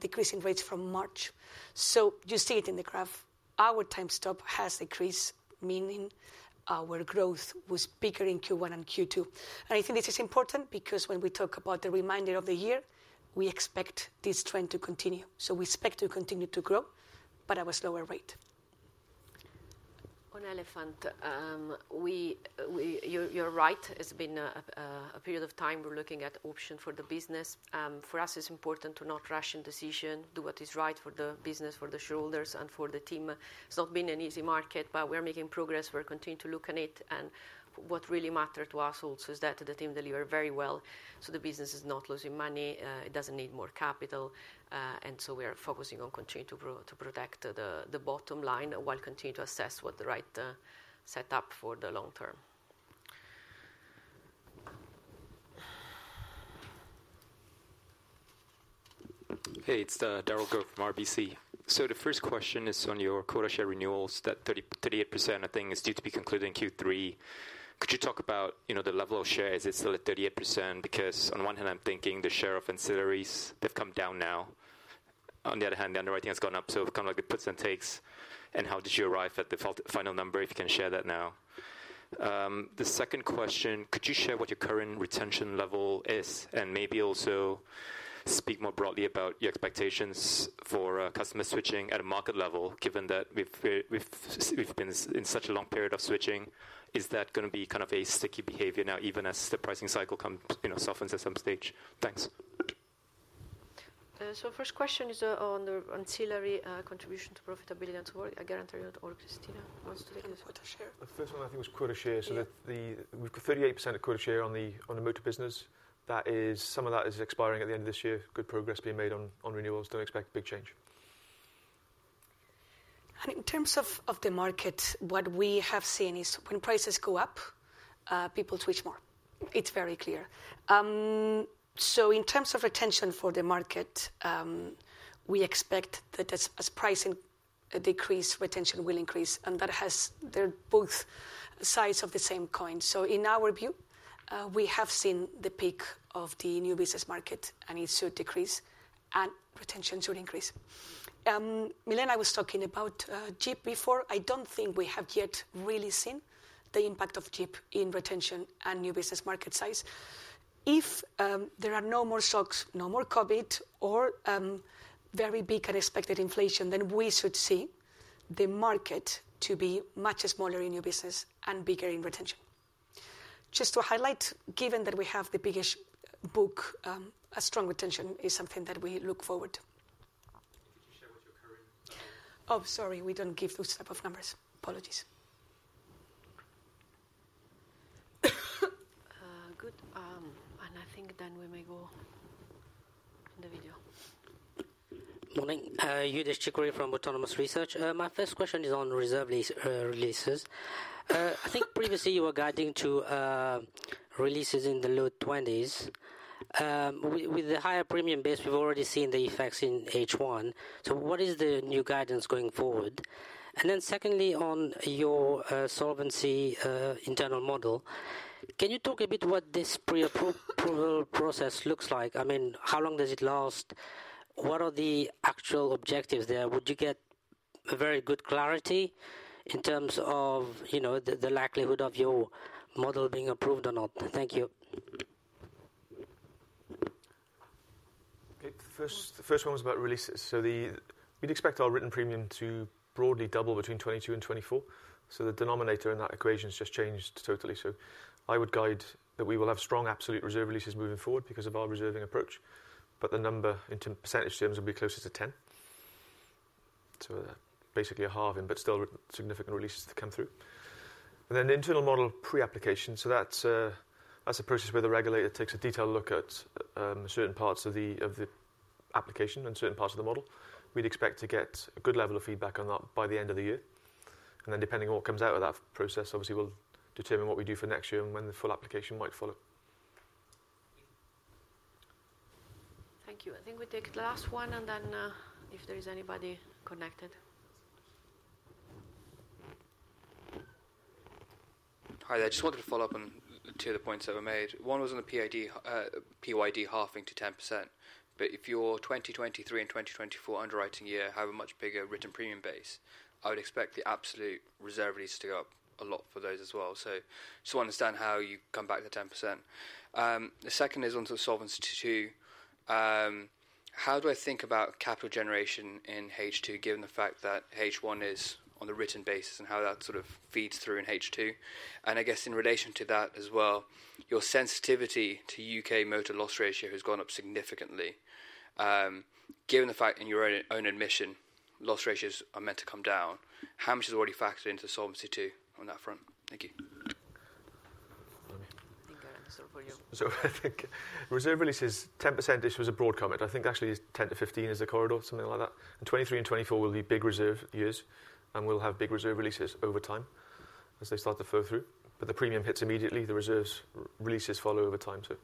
decreasing rates from March. So you see it in the graph?... Our time stop has decreased, meaning our growth was bigger in Q1 and Q2. And I think this is important because when we talk about the remainder of the year, we expect this trend to continue. So we expect to continue to grow, but at a slower rate. On Elephant, you're right. It's been a period of time. We're looking at option for the business. For us, it's important to not rush in decision, do what is right for the business, for the shareholders, and for the team. It's not been an easy market, but we're making progress. We're continuing to look at it, and what really matter to us also is that the team deliver very well. So the business is not losing money, it doesn't need more capital, and so we are focusing on continuing to grow, to protect the bottom line, while continuing to assess what the right set up for the long term. Hey, it's Daryl Go from RBC. So the first question is on your quota share renewals, that 38%, I think, is due to be concluded in Q3. Could you talk about, you know, the level of shares? Is it still at 38%? Because on one hand, I'm thinking the share of ancillaries, they've come down now. On the other hand, the underwriting has gone up, so kind of like the puts and takes, and how did you arrive at the final number, if you can share that now. The second question, could you share what your current retention level is, and maybe also speak more broadly about your expectations for customer switching at a market level, given that we've been in such a long period of switching, is that gonna be kind of a sticky behavior now, even as the pricing cycle come, you know, softens at some stage? Thanks. So first question is on the ancillary contribution to profitability and to work, I guarantee not all. Cristina wants to take this one. Quota share. The first one, I think, was quota share. Yeah. So we've got 38% of quota share on the motor business. That is... Some of that is expiring at the end of this year. Good progress being made on renewals. Don't expect big change. In terms of the market, what we have seen is when prices go up, people switch more. It's very clear. So in terms of retention for the market, we expect that as pricing decrease, retention will increase, and that has—they're both sides of the same coin. So in our view, we have seen the peak of the new business market, and it should decrease, and retention should increase. Milena was talking about GIPP before. I don't think we have yet really seen the impact of GIPP in retention and new business market size. If there are no more shocks, no more COVID, or very big unexpected inflation, then we should see the market to be much smaller in new business and bigger in retention. Just to highlight, given that we have the biggest book, a strong retention is something that we look forward to. Could you share what your current? Oh, sorry, we don't give those type of numbers. Apologies. Good. I think then we may go in the video. Morning. Youdish Chicooree from Autonomous Research. My first question is on reserve releases. I think previously you were guiding to releases in the low 20s. With, with the higher premium base, we've already seen the effects in H1. So what is the new guidance going forward? And then secondly, on your solvency internal model, can you talk a bit what this pre-approval process looks like? I mean, how long does it last? What are the actual objectives there? Would you get a very good clarity in terms of, you know, the likelihood of your model being approved or not? Thank you. Okay, the first, the first one was about releases. So we'd expect our written premium to broadly double between 2022 and 2024. So the denominator in that equation has just changed totally. So I would guide that we will have strong absolute reserve releases moving forward because of our reserving approach, but the number in terms of percentage terms will be closer to 10%. So basically a halving, but still significant releases to come through. And then the internal model pre-application, so that's, that's a process where the regulator takes a detailed look at, certain parts of the, of the application and certain parts of the model. We'd expect to get a good level of feedback on that by the end of the year. And then depending on what comes out of that process, obviously, we'll determine what we do for next year and when the full application might follow. Thank you. I think we take the last one, and then, if there is anybody connected. Hi there. Just wanted to follow up on two of the points that were made. One was on the PID, PYD halving to 10%, but if your 2023 and 2024 underwriting year have a much bigger written premium base, I would expect the absolute reserve release to go up a lot for those as well. So just want to understand how you come back to 10%. The second is on the Solvency II. How do I think about capital generation in H2, given the fact that H1 is on a written basis and how that sort of feeds through in H2? And I guess in relation to that as well, your sensitivity to UK motor loss ratio has gone up significantly. Given the fact in your own admission, loss ratios are meant to come down, how much is already factored into Solvency II on that front? Thank you. I think I answer for you. So I think reserve releases, 10%, this was a broad comment. I think actually it's 10-15 is the corridor, something like that. And 2023 and 2024 will be big reserve years, and we'll have big reserve releases over time as they start to flow through. But the premium hits immediately, the reserve releases follow over time, so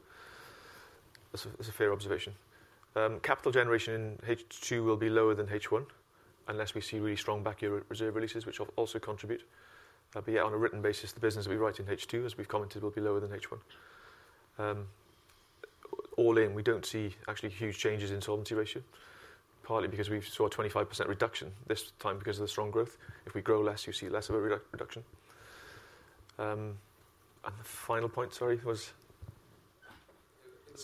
that's a fair observation. Capital generation in H2 will be lower than H1, unless we see really strong back year reserve releases, which will also contribute. But yeah, on a written basis, the business that we write in H2, as we've commented, will be lower than H1. All in, we don't see actually huge changes in solvency ratio, partly because we saw a 25% reduction this time because of the strong growth. If we grow less, you see less of a reduction. The final point, sorry, was? It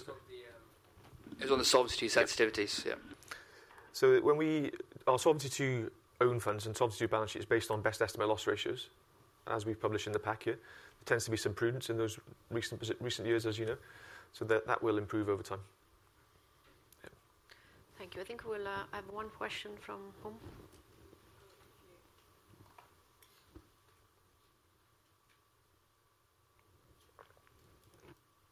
was on the solvency sensitivities. Yeah. Our Solvency II own funds and Solvency II balance sheet is based on best estimate loss ratios, as we publish in the pack here. There tends to be some prunings in those recent, recent years, as you know, so that, that will improve over time. Yeah. Thank you. I think we'll have one question from home.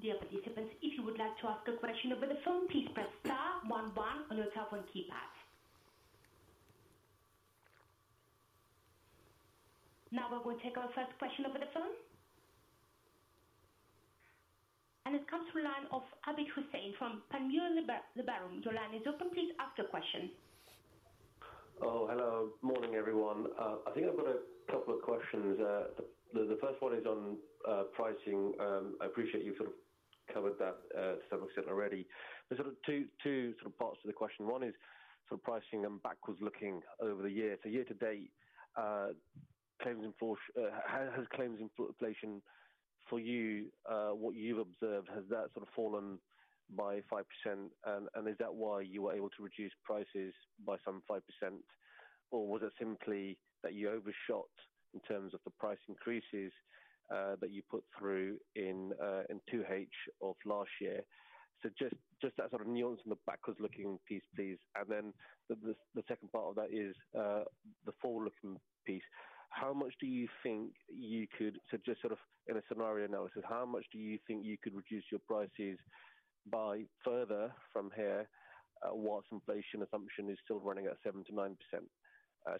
Dear participants, if you would like to ask a question over the phone, please press star one one on your telephone keypad. Now, we're going to take our first question over the phone. It comes from line of Abid Hussain from Panmure Liberum. Your line is open. Please ask your question. Oh, hello. Morning, everyone. I think I've got a couple of questions. The first one is on pricing. I appreciate you sort of covered that to some extent already. There's sort of two parts to the question. One is sort of pricing and backwards looking over the year. So year to date, claims inflation for you, what you've observed, has that sort of fallen by 5%? And is that why you were able to reduce prices by some 5%, or was it simply that you overshot in terms of the price increases that you put through in 2H of last year? So just that sort of nuance in the backwards-looking piece, please. And then the second part of that is the forward-looking piece. How much do you think you could... So just sort of in a scenario analysis, how much do you think you could reduce your prices by further from here, whilst inflation assumption is still running at 7%-9%?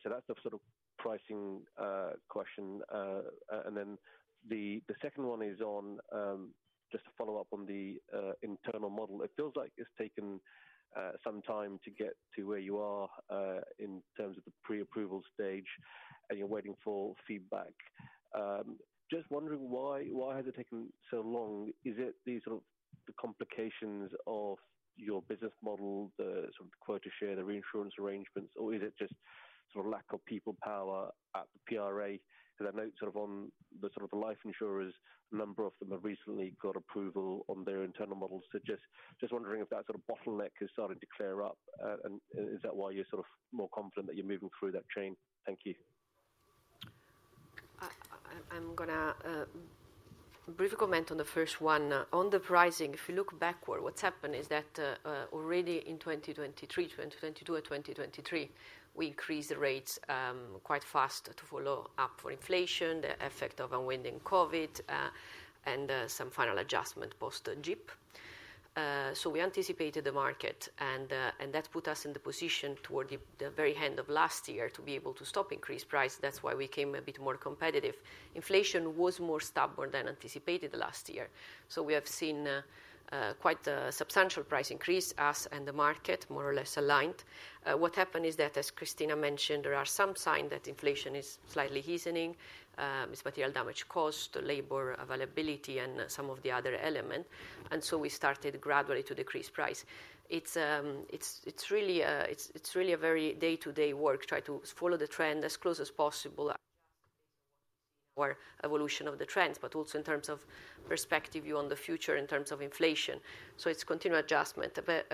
So that's the sort of pricing question. And then the second one is on just to follow up on the internal model. It feels like it's taken some time to get to where you are in terms of the pre-approval stage, and you're waiting for feedback. Just wondering why, why has it taken so long? Is it the sort of the complications of your business model, the sort of quota share, the reinsurance arrangements, or is it just sort of lack of people power at the PRA? Because I note sort of on the sort of the life insurers, a number of them have recently got approval on their internal models. So just, just wondering if that sort of bottleneck has started to clear up, and, and is that why you're sort of more confident that you're moving through that chain? Thank you. I'm gonna make a brief comment on the first one. On the pricing, if you look backward, what's happened is that, already in 2023, 2022 or 2023, we increased the rates quite fast to keep up with inflation, the effect of unwinding COVID, and some final adjustment post GIPP. So we anticipated the market, and that put us in the position toward the very end of last year to be able to stop increasing prices. That's why we became a bit more competitive. Inflation was more stubborn than anticipated last year, so we have seen quite a substantial price increase, with us and the market more or less aligned. What happened is that, as Cristina mentioned, there are some signs that inflation is slightly easing, with material damage costs, labor availability, and some of the other elements. And so we started gradually to decrease prices. It's really a very day-to-day work, try to follow the trend as close as possible or evolution of the trends, but also in terms of perspective view on the future in terms of inflation. So it's continual adjustment. But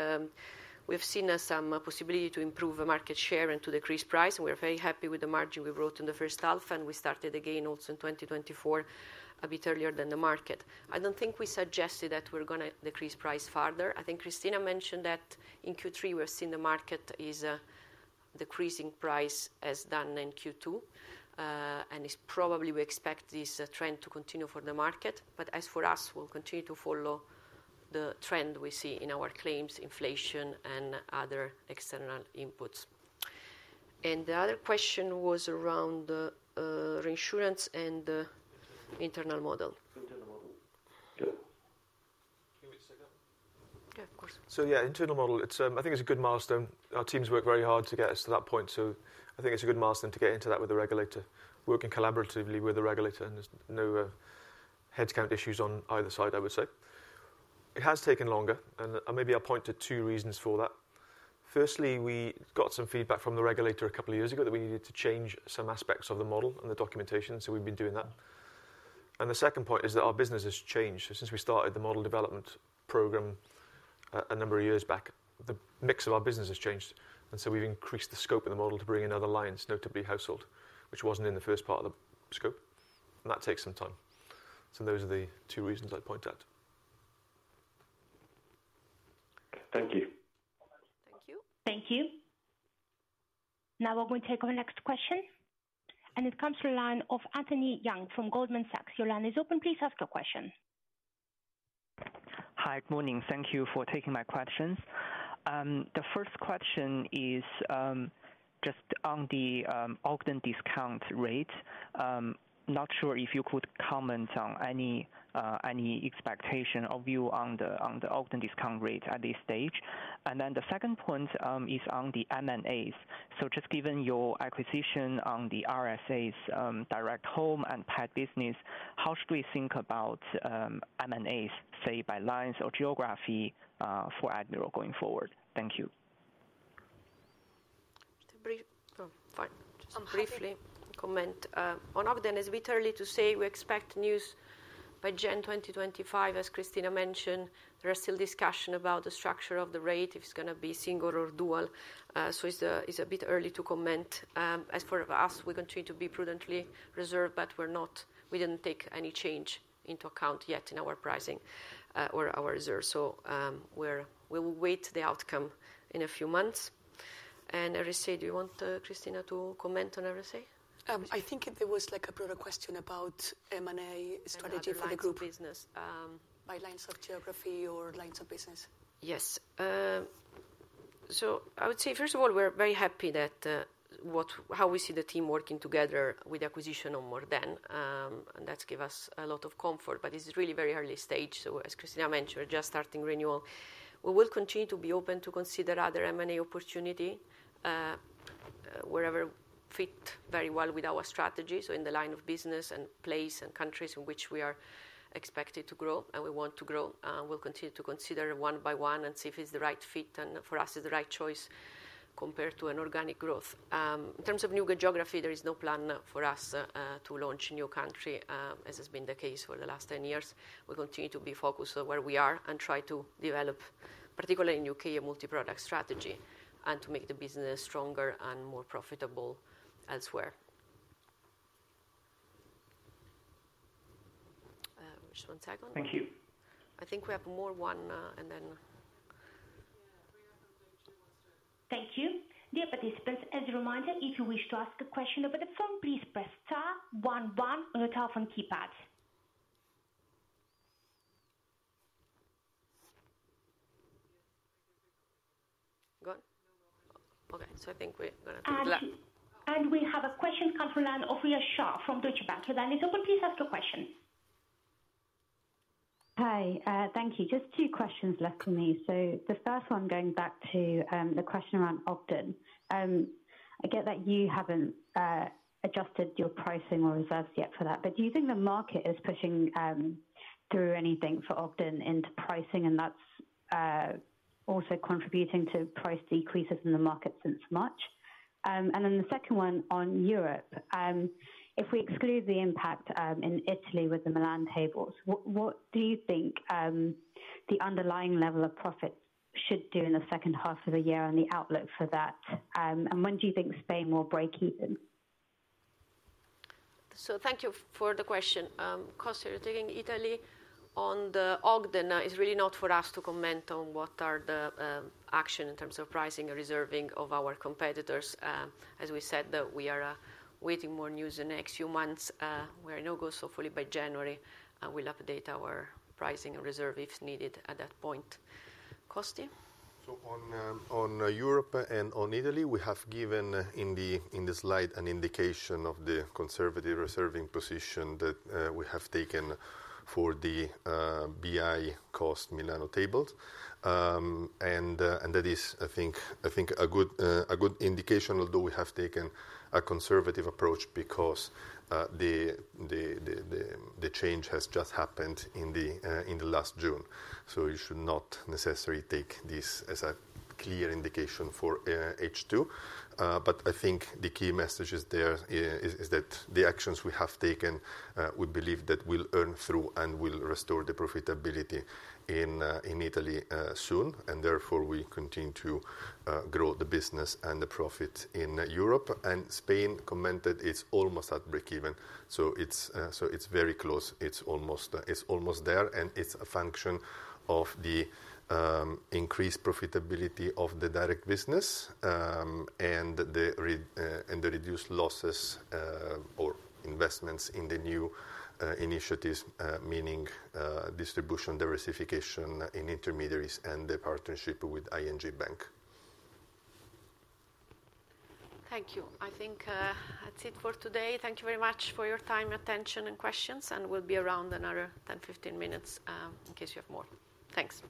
we've seen some possibility to improve the market share and to decrease prices, and we're very happy with the margin we wrote in the first half, and we started again also in 2024, a bit earlier than the market. I don't think we suggested that we're gonna decrease prices further. I think Cristina mentioned that in Q3, we're seeing the market is decreasing price as done in Q2. And it's probably we expect this trend to continue for the market, but as for us, we'll continue to follow the trend we see in our claims, inflation, and other external inputs. And the other question was around the reinsurance and the internal model. Internal model. Yeah. Can you wait a second? Yeah, of course. So, yeah, internal model, it's, I think it's a good milestone. Our teams worked very hard to get us to that point, so I think it's a good milestone to get into that with the regulator, working collaboratively with the regulator, and there's no headcount issues on either side, I would say. It has taken longer, and, maybe I'll point to two reasons for that. Firstly, we got some feedback from the regulator a couple of years ago that we needed to change some aspects of the model and the documentation, so we've been doing that. And the second point is that our business has changed. Since we started the model development program a number of years back, the mix of our business has changed, and so we've increased the scope of the model to bring in other lines, notably Household, which wasn't in the first part of the scope, and that takes some time. Those are the two reasons I'd point out. Thank you. Thank you. Thank you. Now we're going to take our next question, and it comes from line of Anthony Yang from Goldman Sachs. Your line is open. Please ask your question. Hi. Good morning. Thank you for taking my questions. The first question is, just on the, Ogden discount rate. Not sure if you could comment on any, any expectation of you on the, on the Ogden discount rate at this stage. And then the second point, is on the M&As. So just given your acquisition on the RSA's, direct home and pet business, how should we think about, M&As, say, by lines or geography, for Admiral going forward? Thank you. ...A brief— Oh, fine. Just briefly comment on Ogden, it's a bit early to say. We expect news by January 2025, as Cristina mentioned. There are still discussion about the structure of the rate, if it's gonna be single or dual. So it's a bit early to comment. As for us, we continue to be prudently reserved, but we're not we didn't take any change into account yet in our pricing or our reserves. So, we're we will wait the outcome in a few months. And RSA, do you want, Cristina, to comment on RSA? I think there was, like, a broader question about M&A strategy for the group- M&A lines business, By lines of geography or lines of business. Yes. So I would say, first of all, we're very happy that, how we see the team working together with acquisition on Ogden. And that give us a lot of comfort, but it's really very early stage. So as Cristina mentioned, we're just starting renewal. We will continue to be open to consider other M&A opportunity, wherever fit very well with our strategy, so in the line of business and place and countries in which we are expected to grow, and we want to grow. And we'll continue to consider one by one and see if it's the right fit, and for us, it's the right choice compared to an organic growth. In terms of new geography, there is no plan for us, to launch a new country, as has been the case for the last 10 years. We continue to be focused on where we are and try to develop, particularly in U.K., a multiproduct strategy, and to make the business stronger and more profitable elsewhere. Just one second. Thank you. I think we have one more, and then... Yeah, we have two more still. Thank you. Dear participants, as a reminder, if you wish to ask a question over the phone, please press star one one on your telephone keypad. Go on? Okay, so I think we're gonna take the last- We have a question from a Rhea Shah from Deutsche Bank. So then, Rhea, please ask your question. Hi, thank you. Just two questions left for me. So the first one, going back to the question around Ogden. I get that you haven't adjusted your pricing or reserves yet for that. But do you think the market is pushing through anything for Ogden into pricing, and that's also contributing to price decreases in the market since March? And then the second one on Europe. If we exclude the impact in Italy with the Milan Tables, what do you think the underlying level of profits should do in the second half of the year and the outlook for that? And when do you think Spain will break even? Thank you for the question. Costi, taking Italy. On the Ogden, it's really not for us to comment on what are the actions in terms of pricing or reserving of our competitors. As we said, that we are waiting more news in the next few months. We are no-go, so hopefully by January, we'll update our pricing and reserve if needed at that point. Costi? So on Europe and on Italy, we have given, in the slide, an indication of the conservative reserving position that we have taken for the BI cost Milan Tables. And that is, I think, a good indication, although we have taken a conservative approach because the change has just happened in the last June. So you should not necessarily take this as a clear indication for H2. But I think the key messages there is that the actions we have taken, we believe that will earn through and will restore the profitability in Italy soon. And therefore, we continue to grow the business and the profit in Europe. Spain commented it's almost at breakeven, so it's very close. It's almost there, and it's a function of the increased profitability of the direct business, and the reduced losses or investments in the new initiatives, meaning distribution, diversification in intermediaries, and the partnership with ING Bank. Thank you. I think, that's it for today. Thank you very much for your time, attention, and questions, and we'll be around another 10, 15 minutes, in case you have more. Thanks.